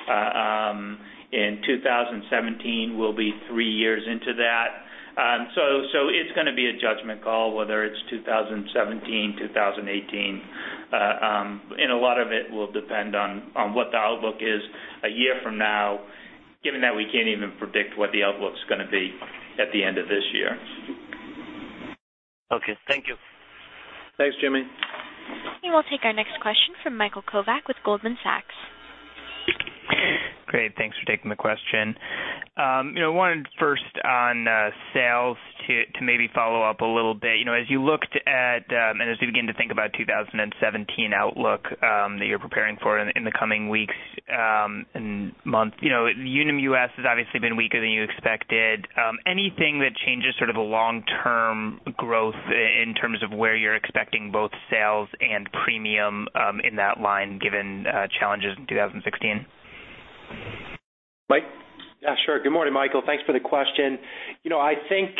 In 2017, we'll be three years into that. It's going to be a judgment call, whether it's 2017, 2018. A lot of it will depend on what the outlook is a year from now, given that we can't even predict what the outlook's going to be at the end of this year. Okay, thank you. Thanks, Jimmy. We'll take our next question from Michael Kovac with Goldman Sachs. Great. Thanks for taking the question. One first on sales to maybe follow up a little bit. As you looked at, and as we begin to think about 2017 outlook, that you're preparing for in the coming weeks and months, Unum US has obviously been weaker than you expected. Anything that changes sort of a long-term growth in terms of where you're expecting both sales and premium in that line, given challenges in 2016? Mike? Yeah, sure. Good morning, Michael. Thanks for the question. I think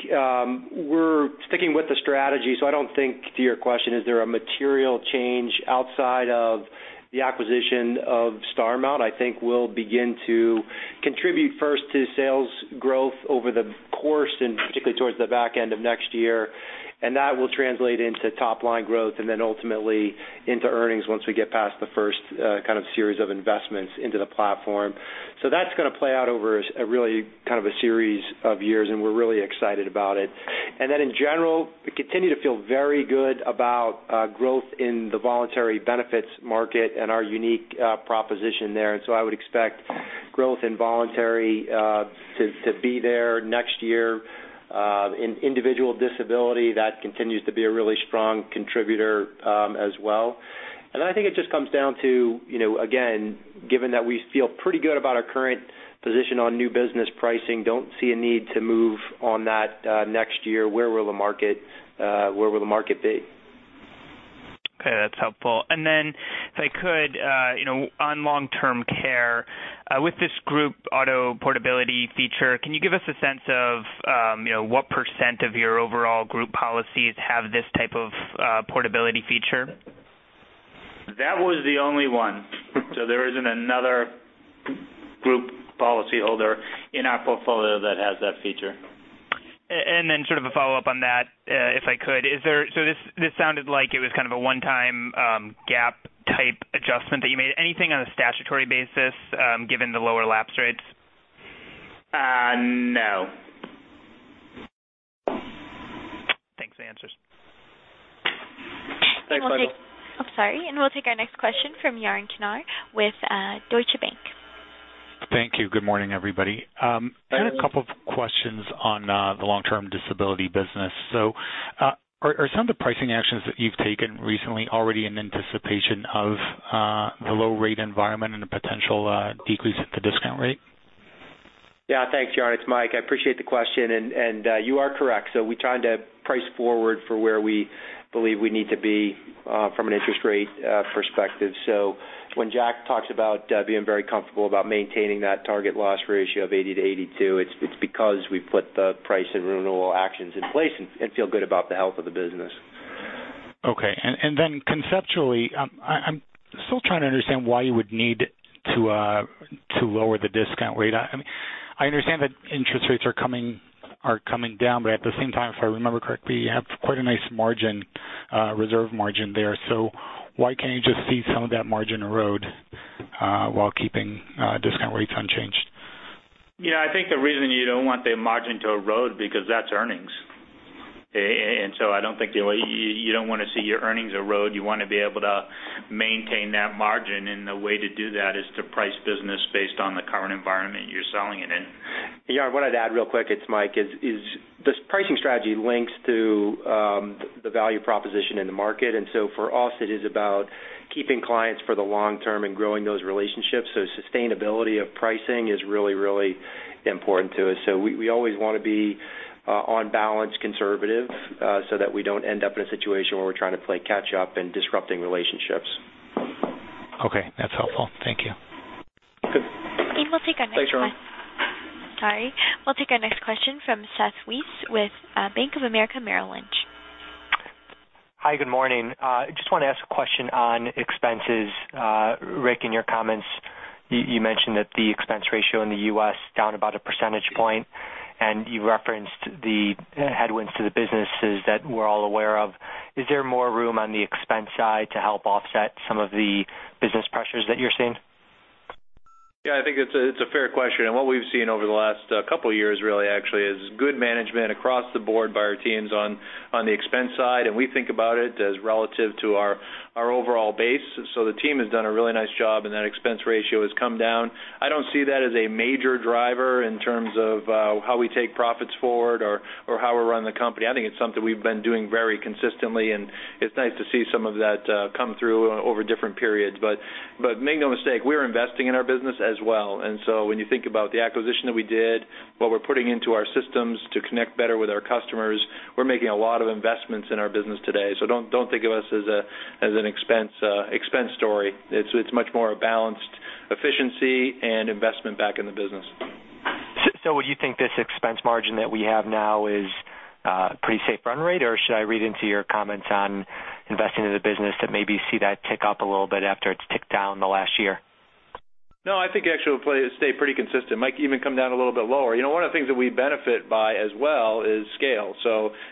we're sticking with the strategy, so I don't think to your question, is there a material change outside of the acquisition of Starmount? I think we'll begin to contribute first to sales growth over the course and particularly towards the back end of next year, and that will translate into top-line growth and then ultimately into earnings once we get past the first kind of series of investments into the platform. That's going to play out over a really kind of a series of years, and we're really excited about it. In general, we continue to feel very good about growth in the Voluntary Benefits market and our unique proposition there. I would expect growth in Voluntary to be there next year. In Individual Disability, that continues to be a really strong contributor as well. I think it just comes down to, again, given that we feel pretty good about our current position on new business pricing, don't see a need to move on that next year. Where will the market be? Okay, that's helpful. If I could, on long-term care, with this group auto portability feature, can you give us a sense of what % of your overall group policies have this type of portability feature? That was the only one. There isn't another group policyholder in our portfolio that has that feature. Sort of a follow-up on that, if I could, this sounded like it was kind of a one-time GAAP-type adjustment that you made. Anything on a statutory basis, given the lower lapse rates? No. Thanks for the answers. Thanks, Michael. I'm sorry. We'll take our next question from Yaron Kinar with Deutsche Bank. Thank you. Good morning, everybody. Good morning. I had a couple of questions on the long-term disability business. Are some of the pricing actions that you've taken recently already in anticipation of the low rate environment and a potential decrease at the discount rate? Thanks, Yaron. It's Mike. I appreciate the question, and you are correct. We're trying to price forward for where we believe we need to be from an interest rate perspective. When Jack talks about being very comfortable about maintaining that target loss ratio of 80%-82%, it's because we've put the price and renewal actions in place and feel good about the health of the business. Okay. Conceptually, I'm still trying to understand why you would need to lower the discount rate. I understand that interest rates are coming down, at the same time, if I remember correctly, you have quite a nice reserve margin there. Why can't you just see some of that margin erode while keeping discount rates unchanged? I think the reason you don't want the margin to erode because that's earnings. You don't want to see your earnings erode. You want to be able to maintain that margin, and the way to do that is to price business based on the current environment you're selling it in. Yaron, what I'd add real quick, it's Mike, this pricing strategy links to the value proposition in the market, for us, it is about keeping clients for the long term and growing those relationships. Sustainability of pricing is really, really important to us. We always want to be on balance conservative, that we don't end up in a situation where we're trying to play catch up and disrupting relationships. Okay, that's helpful. Thank you. Good. We'll take our next- Thanks, Yaron. Sorry. We'll take our next question from Seth Weiss with Bank of America Merrill Lynch. Hi, good morning. Just want to ask a question on expenses. Rick, in your comments, you mentioned that the expense ratio in the U.S. down about a percentage point, and you referenced the headwinds to the businesses that we're all aware of. Is there more room on the expense side to help offset some of the business pressures that you're seeing? Yeah, I think it's a fair question, and what we've seen over the last couple of years really actually is good management across the board by our teams on the expense side, and we think about it as relative to our overall base. The team has done a really nice job and that expense ratio has come down. I don't see that as a major driver in terms of how we take profits forward or how we run the company. I think it's something we've been doing very consistently, and it's nice to see some of that come through over different periods. Make no mistake, we're investing in our business as well. When you think about the acquisition that we did, what we're putting into our systems to connect better with our customers, we're making a lot of investments in our business today. Don't think of us as an expense story. It's much more a balanced efficiency and investment back in the business. Would you think this expense margin that we have now is a pretty safe run rate, or should I read into your comments on investing in the business to maybe see that tick up a little bit after it's ticked down the last year? No, I think actually it'll stay pretty consistent, might even come down a little bit lower. One of the things that we benefit by as well is scale.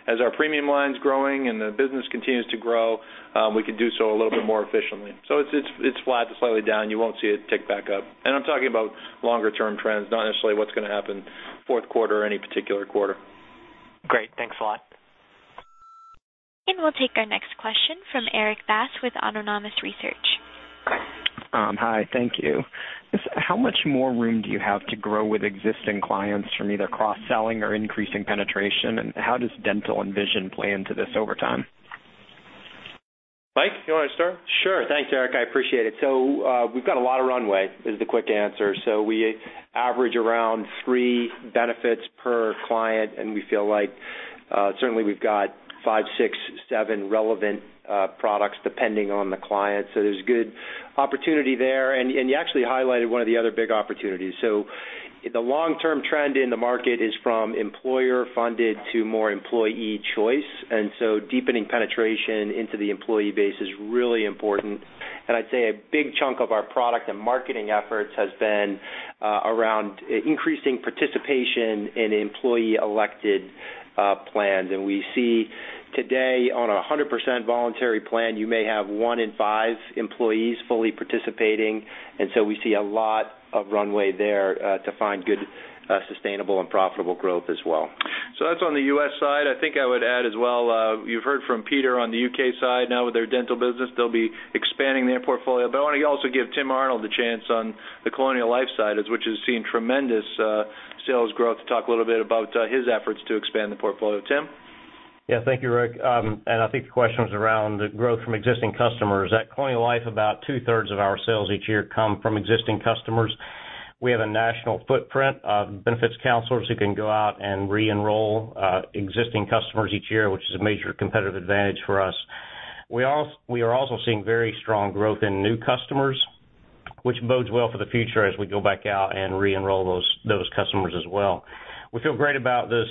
As our premium line's growing and the business continues to grow, we can do so a little bit more efficiently. It's flat to slightly down. You won't see it tick back up. I'm talking about longer-term trends, not necessarily what's going to happen fourth quarter or any particular quarter. Great. Thanks a lot. We'll take our next question from Erik Bass with Autonomous Research. Hi. Thank you. How much more room do you have to grow with existing clients from either cross-selling or increasing penetration? How does dental and vision play into this over time? Mike, you want to start? Sure. Thanks, Erik. I appreciate it. We've got a lot of runway, is the quick answer. We average around three benefits per client, and we feel like certainly we've got five, six, seven relevant products depending on the client. There's good opportunity there. You actually highlighted one of the other big opportunities. The long-term trend in the market is from employer-funded to more employee choice, and deepening penetration into the employee base is really important. I'd say a big chunk of our product and marketing efforts has been around increasing participation in employee-elected plans. We see today on a 100% voluntary plan, you may have one in five employees fully participating, and we see a lot of runway there to find good, sustainable, and profitable growth as well. That's on the U.S. side. I think I would add as well, you've heard from Peter on the U.K. side now with their dental business. They'll be expanding their portfolio. I want to also give Tim Arnold the chance on the Colonial Life side, which has seen tremendous sales growth, to talk a little bit about his efforts to expand the portfolio. Tim? Yeah, thank you, Rick. I think the question was around the growth from existing customers. At Colonial Life, about two-thirds of our sales each year come from existing customers. We have a national footprint of benefits counselors who can go out and re-enroll existing customers each year, which is a major competitive advantage for us. We are also seeing very strong growth in new customers, which bodes well for the future as we go back out and re-enroll those customers as well. We feel great about the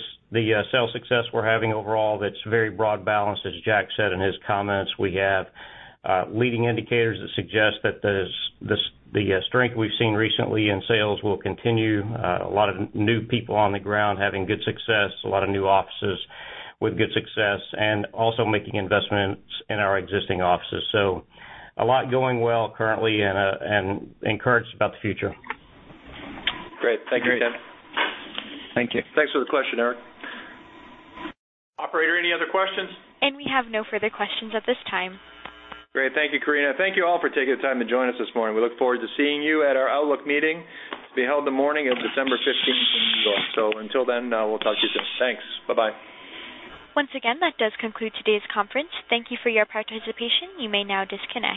sales success we're having overall that's very broad balanced, as Jack said in his comments. We have leading indicators that suggest that the strength we've seen recently in sales will continue. A lot of new people on the ground having good success, a lot of new offices with good success, and also making investments in our existing offices. A lot going well currently and encouraged about the future. Great. Thank you, Tim. Thank you. Thanks for the question, Erik. Operator, any other questions? We have no further questions at this time. Great. Thank you, Karina. Thank you all for taking the time to join us this morning. We look forward to seeing you at our Outlook meeting to be held the morning of December 15th in [Eagle]. Until then, we'll talk to you soon. Thanks. Bye-bye. Once again, that does conclude today's conference. Thank you for your participation. You may now disconnect.